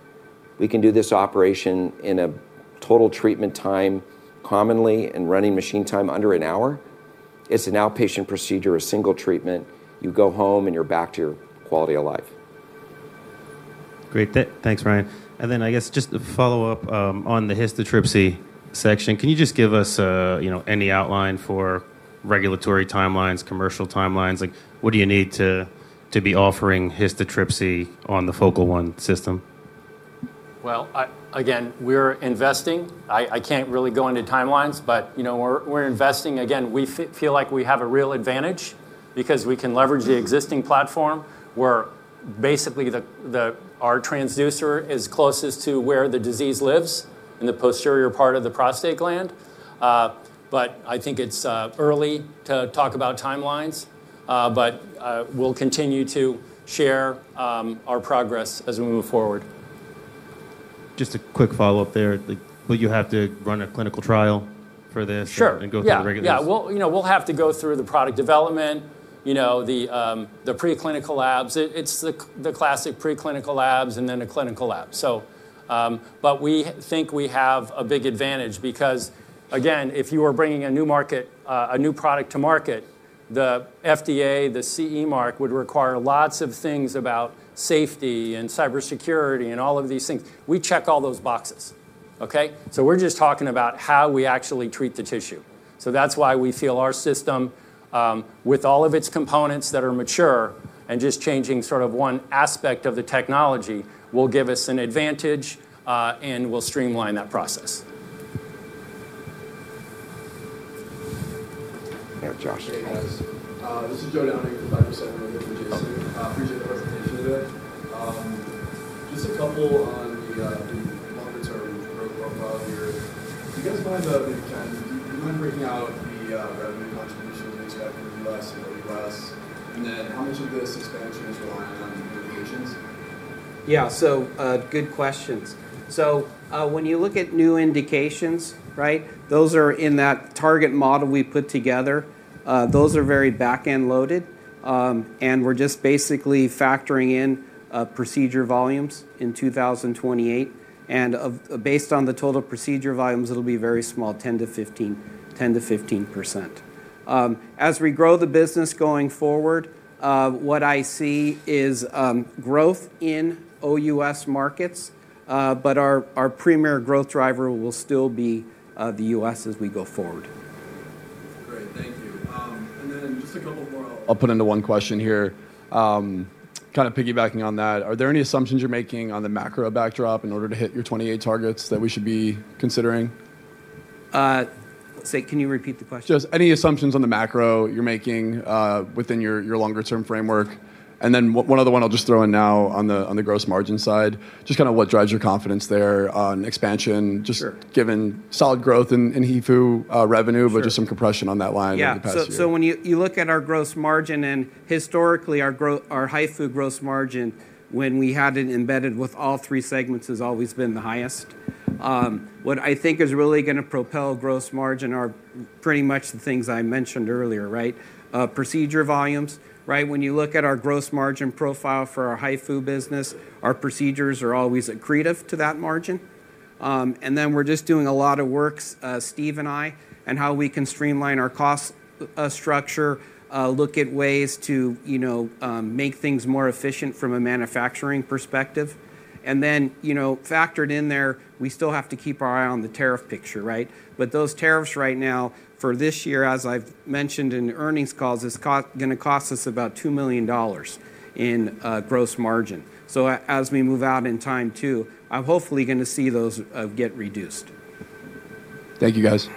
We can do this operation in a total treatment time, commonly in running machine time, under an hour. It's an outpatient procedure, a single treatment. You go home, and you're back to your quality of life. Great. Thanks, Ryan. I guess just a follow-up on the histotripsy section. Can you just give us any outline for regulatory timelines, commercial timelines? What do you need to be offering histotripsy on the Focal One system? Well, again, we're investing. I can't really go into timelines, but we're investing. Again, we feel like we have a real advantage because we can leverage the existing platform where basically our transducer is closest to where the disease lives in the posterior part of the prostate gland. I think it's early to talk about timelines. We'll continue to share our progress as we move forward. Just a quick follow-up there. Will you have to run a clinical trial for this? Sure Go through the regulations? Yeah. We'll have to go through the product development and the preclinical labs. It's the classic preclinical labs and then a clinical lab. We think we have a big advantage because, again, if you are bringing a new product to market, the FDA, the CE mark would require lots of things about safety and cybersecurity and all of these things. We check all those boxes. Okay? We're just talking about how we actually treat the tissue. That's why we feel our system, with all of its components that are mature and just changing sort of one aspect of the technology, will give us an advantage, and will streamline that process. There, Josh. Hey, guys. This is Joe Downing from Piper Sandler. Appreciate the presentation today. Just a couple on the longer-term growth profile here. Do you guys mind breaking out the revenue contribution mix between the U.S. and OUS? How much of this expansion is reliant on new indications? Yeah. Good questions. When you look at new indications, right, those are in that target model we put together. Those are very back-end loaded. We're just basically factoring in procedure volumes in 2028. Based on the total procedure volumes, it'll be very small, 10%-15%. As we grow the business going forward, what I see is growth in OUS markets. Our premier growth driver will still be the U.S. as we go forward. Great. Thank you. Just a couple more. I'll put into one question here. Kind of piggybacking on that, are there any assumptions you're making on the macro backdrop in order to hit your 2028 targets that we should be considering? Can you repeat the question? Just any assumptions on the macro you're making within your longer-term framework. One other one I'll just throw in now on the gross margin side: just kind of what drives your confidence there on expansion? Sure Just given solid growth in HIFU revenue. Sure Just some compression on that line over the past year. Yeah. When you look at our gross margin, and historically our HIFU gross margin when we had it embedded with all three segments has always been the highest. What I think is really going to propel gross margin are pretty much the things I mentioned earlier, right? Procedure volumes, right? When you look at our gross margin profile for our HIFU business, our procedures are always accretive to that margin. We're just doing a lot of work, Steve and I, on how we can streamline our cost structure and look at ways to make things more efficient from a manufacturing perspective. Factored in there, we still have to keep our eye on the tariff picture, right? Those tariffs right now for this year, as I've mentioned in earnings calls, is going to cost us about EUR 2 million in gross margin. As we move out in time too, I'm hopefully going to see those get reduced. Thank you, guys.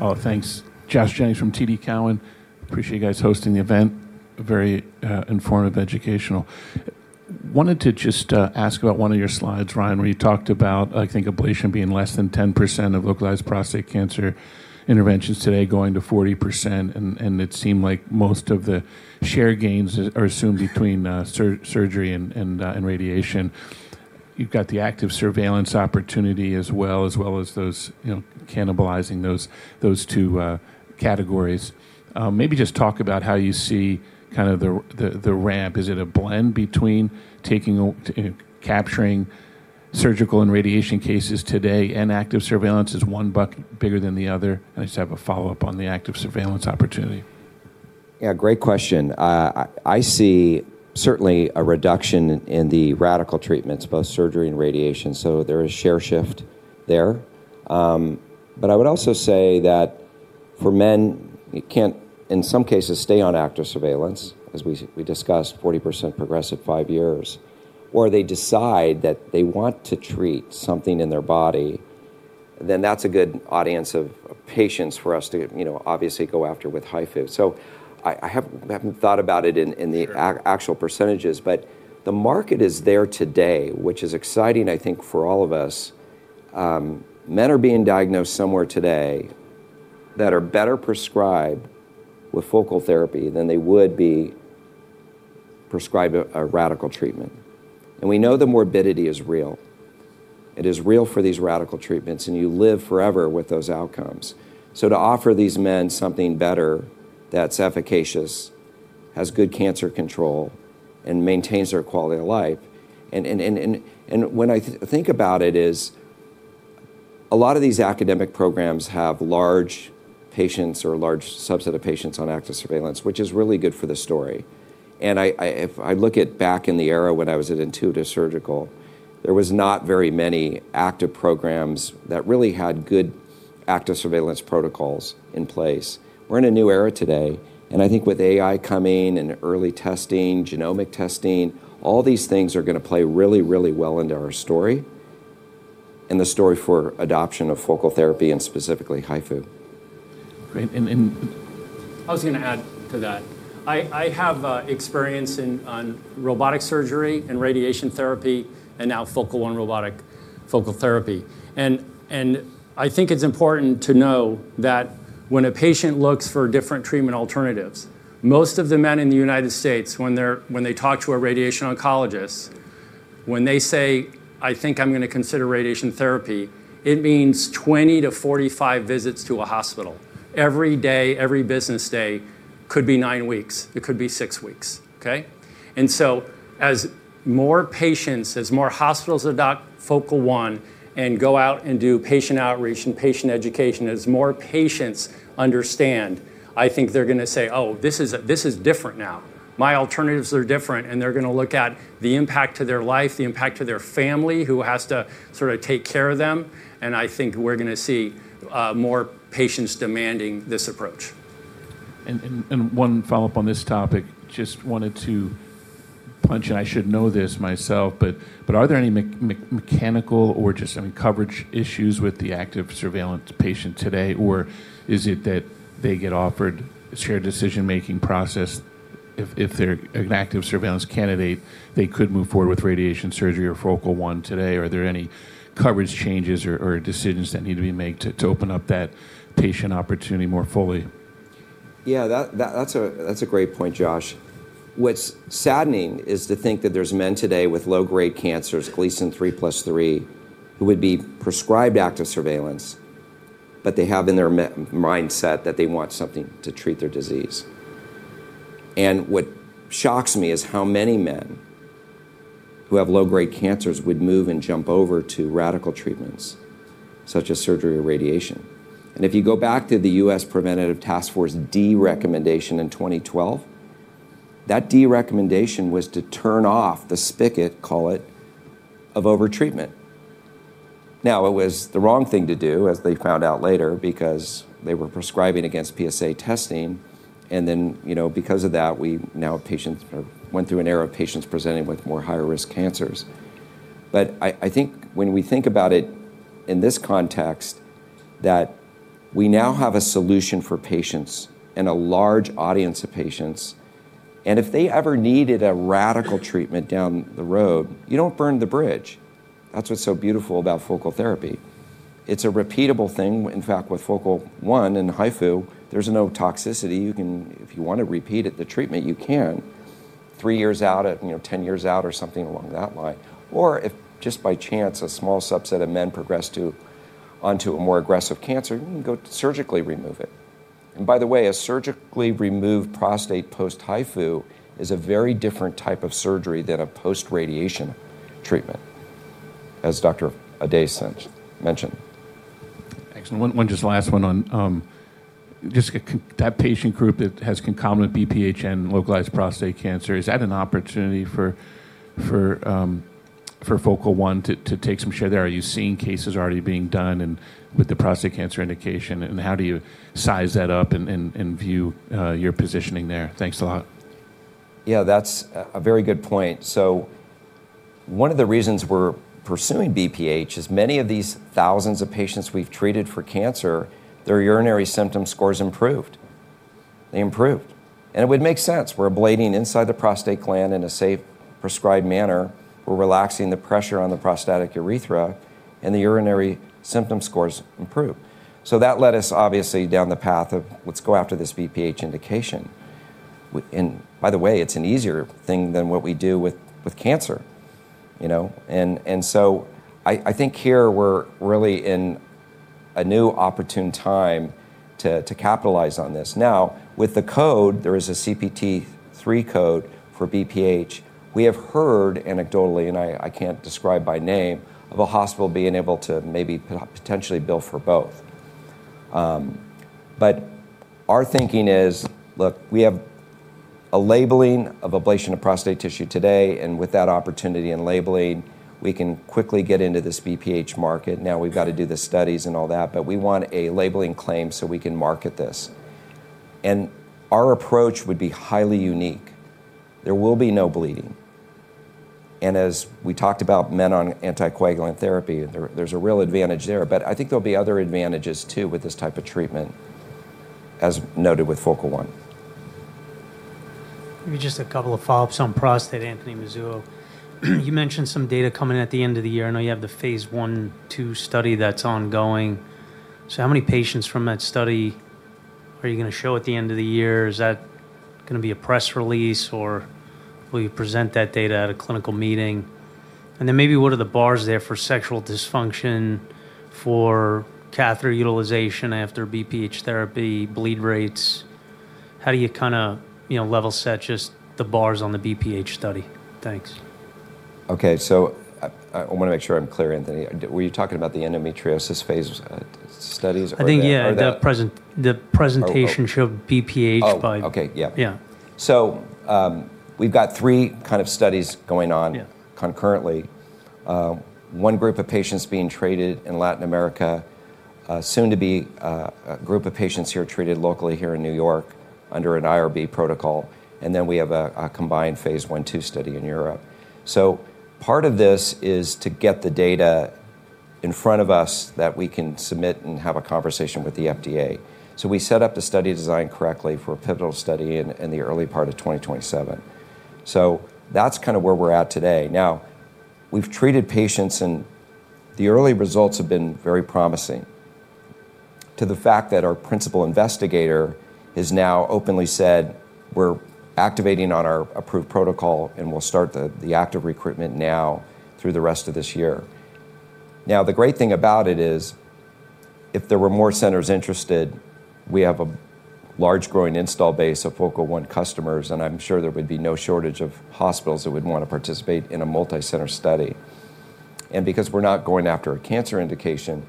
Oh, thanks. Joshua Jennings from TD Cowen. Appreciate you guys hosting the event. Very informative, educational. Wanted to just ask about one of your slides, Ryan, where you talked about, I think, ablation being less than 10% of localized prostate cancer interventions today going to 40%. It seemed like most of the share gains are assumed between surgery and radiation. You've got the active surveillance opportunity as well, as well as cannibalizing those two categories. Maybe just talk about how you see the ramp. Is it a blend between capturing surgical and radiation cases today and active surveillance? Is one bucket bigger than the other? I just have a follow-up on the active surveillance opportunity. Great question. I see certainly a reduction in the radical treatments, both surgery and radiation. There is a share shift there. I would also say that for men who can't, in some cases, stay on active surveillance, as we discussed, 40% progressive, five years, or they decide that they want to treat something in their body, that's a good audience of patients for us to obviously go after with HIFU. I haven't thought about it in the actual percentages, but the market is there today, which is exciting, I think, for all of us. Men are being diagnosed somewhere today that are better prescribed with focal therapy than they would be prescribed a radical treatment. We know the morbidity is real. It is real for these radical treatments, and you live forever with those outcomes. To offer these men something better that's efficacious, has good cancer control, and maintains their quality of life. When I think about it is a lot of these academic programs have large patients or a large subset of patients on active surveillance, which is really good for the story. If I look at back in the era when I was at Intuitive Surgical, there was not very many active programs that really had good active surveillance protocols in place. We're in a new era today, and I think with AI coming and early testing, genomic testing, all these things are going to play really, really well into our story, and the story for adoption of focal therapy and specifically HIFU. Great. I was going to add to that. I have experience in robotic surgery and radiation therapy, now Focal One robotic focal therapy. I think it's important to know that when a patient looks for different treatment alternatives, most of the men in the U.S., when they talk to a radiation oncologist, when they say, "I think I'm going to consider radiation therapy," it means 20 to 45 visits to a hospital every day, every business day. Could be nine weeks. It could be six weeks. Okay. As more patients, as more hospitals adopt Focal One and go out and do patient outreach and patient education, as more patients understand, I think they're going to say, "Oh, this is different now. My alternatives are different." They're going to look at the impact to their lives, the impact to their families, who has to sort of take care of them. I think we're going to see more patients demanding this approach. One follow-up on this topic. Just wanted to punch in. I should know this myself, but are there any mechanical or just any coverage issues with the active surveillance patient today? Is it that they get offered a shared decision-making process? If they're an active surveillance candidate, they could move forward with radiation surgery or Focal One today. Are there any coverage changes or decisions that need to be made to open up that patient opportunity more fully? Yeah, that's a great point, Josh. What's saddening is to think that there's men today with low-grade cancers, Gleason 3+3, who would be prescribed active surveillance, but they have in their mindset that they want something to treat their disease. What shocks me is how many men who have low-grade cancers would move and jump over to radical treatments such as surgery or radiation. If you go back to the U.S. Preventive Services Task Force D recommendation in 2012, that D recommendation was to turn off the spigot, call it, of over-treatment. Now, it was the wrong thing to do, as they found out later, because they were prescribing against PSA testing, and then because of that, we now have patients or went through an era of patients presenting with more higher-risk cancers. I think when we think about it in this context, that we now have a solution for patients and a large audience of patients, and if they ever needed a radical treatment down the road, you don't burn the bridge. That's what's so beautiful about focal therapy. It's a repeatable thing. In fact, with Focal One and HIFU, there's no toxicity. If you want to repeat the treatment, you can, three years out, 10 years out, or something along that line. If just by chance a small subset of men progress onto a more aggressive cancer, you can go surgically remove it. By the way, a surgically removed prostate post-HIFU is a very different type of surgery than a post-radiation treatment, as Dr. Ehdaie mentioned. Excellent. One just last one on just that patient group that has concomitant BPH and localized prostate cancer. Is that an opportunity for Focal One to take some share there? Are you seeing cases already being done and with the prostate cancer indication, and how do you size that up and view your positioning there? Thanks a lot. Yeah, that's a very good point. One of the reasons we're pursuing BPH is many of these thousands of patients we've treated for cancer, their urinary symptom scores improved. They improved. It would make sense. We're ablating inside the prostate gland in a safe, prescribed manner. We're relaxing the pressure on the prostatic urethra, and the urinary symptom scores improve. That led us, obviously, down the path of "let's go after this BPH indication." By the way, it's an easier thing than what we do with cancer. I think here we're really in a new opportune time to capitalize on this. Now, with the code, there is a CPT 3 code for BPH. We have heard anecdotally, and I can't describe by name, of a hospital being able to maybe potentially bill for both. Our thinking is, look, we have a labeling of ablation of prostate tissue today, and with that opportunity in labeling, we can quickly get into this BPH market. Now we've got to do the studies and all that, but we want a labeling claim so we can market this. Our approach would be highly unique. There will be no bleeding. As we talked about men on anticoagulant therapy, there's a real advantage there, but I think there'll be other advantages, too, with this type of treatment, as noted with Focal One. Maybe just a couple of follow-ups on prostate, Anthony Mizuho. You mentioned some data coming at the end of the year. I know you have the phase I and II study that's ongoing. How many patients from that study are you going to show at the end of the year? Is that going to be a press release, or will you present that data at a clinical meeting? Then maybe what are the bars there for sexual dysfunction, for catheter utilization after BPH therapy, bleed rates? How do you kind of level set just the bars on the BPH study? Thanks. Okay. I want to make sure I'm clear, Anthony. Were you talking about the endometriosis phase studies? I think, yeah. The presentation showed BPH by- Oh, okay. Yeah. Yeah. We've got three kinds of studies going on concurrently. One group of patients is being treated in Latin America, soon to be a group of patients who are treated locally here in New York under an IRB protocol, and then we have a combined phase I, II study in Europe. Part of this is to get the data in front of us that we can submit it and have a conversation with the FDA. We set up the study design correctly for a pivotal study in the early part of 2027. That's kind of where we're at today. Now, we've treated patients, and the early results have been very promising due to the fact that our principal investigator has now openly said we're activating on our approved protocol, and we'll start the active recruitment now through the rest of this year. Now, the great thing about it is, if there were more centers interested, we have a large growing install base of Focal One customers, and I'm sure there would be no shortage of hospitals that would want to participate in a multicenter study. Because we're not going after a cancer indication,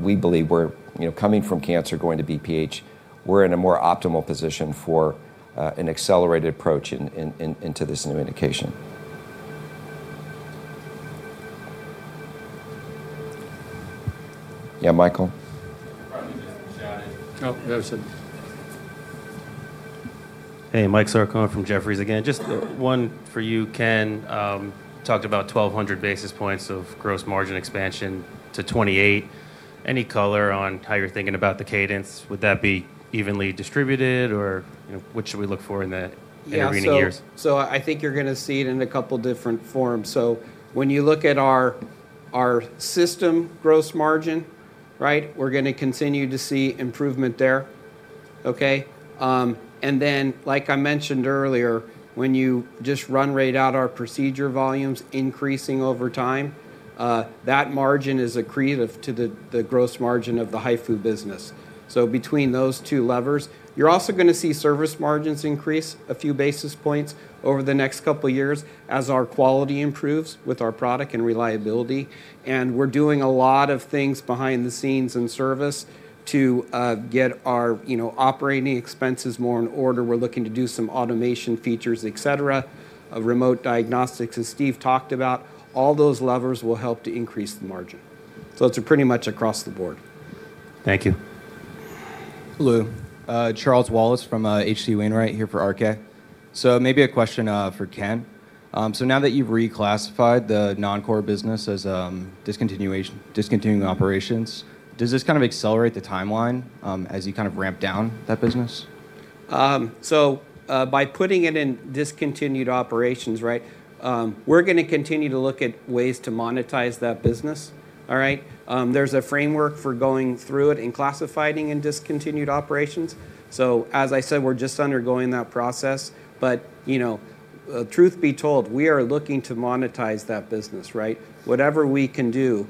we believe we're coming from cancer, going to BPH, we're in a more optimal position for an accelerated approach into this new indication. Yeah, Michael? You probably missed it. Oh, no. Hey, Michael Sarcone from Jefferies again. Just one for you, Ken. Talked about 1,200 basis points of gross margin expansion to '28. Any color on how you're thinking about the cadence? Would that be evenly distributed, or what should we look for in the intervening years? Yes. I think you're going to see it in two different forms. When you look at our system gross margin, we're going to continue to see improvement there. Okay? Like I mentioned earlier, when you just run rates out, our procedure volumes increasing over time; that margin is accretive to the gross margin of the HIFU business. Between those two levers. You're also going to see service margins increase a few basis points over the next two years as our quality improves with our product and reliability, and we're doing a lot of things behind the scenes in service to get our operating expenses more in order. We're looking to do some automation features, etc, remote diagnostics, as Steve talked about. All those levers will help to increase the margin. It's pretty much across the board. Thank you. Hello. Charles Wallace from H.C. Wainwright here for Ram. Maybe a question for Ken. Now that you've reclassified the non-core business as discontinuing operations, does this kind of accelerate the timeline as you kind of ramp down that business? By putting it in discontinued operations, we're going to continue to look at ways to monetize that business. All right? There's a framework for going through it in classifying and discontinued operations. As I said, we're just undergoing that process. Truth be told, we are looking to monetize that business, right? Whatever we can do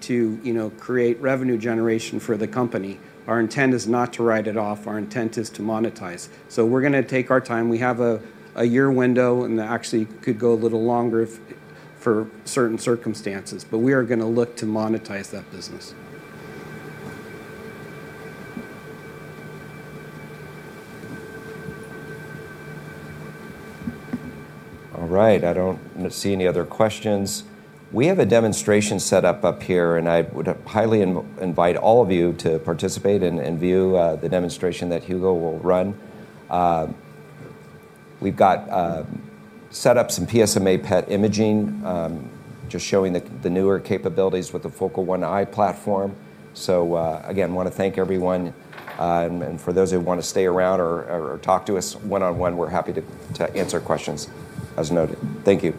to create revenue generation for the company. Our intent is not to write it off, our intent is to monetize. We're going to take our time. We have a year window, and that actually could go a little longer for certain circumstances, but we are going to look to monetize that business. All right. I don't see any other questions. We have a demonstration set up up here, and I would highly invite all of you to participate and view the demonstration that Hugo will run. We've got set up some PSMA PET imaging, just showing the newer capabilities with the Focal One platform. Again, I want to thank everyone. For those who want to stay around or talk to us one-on-one, we're happy to answer questions as noted. Thank you.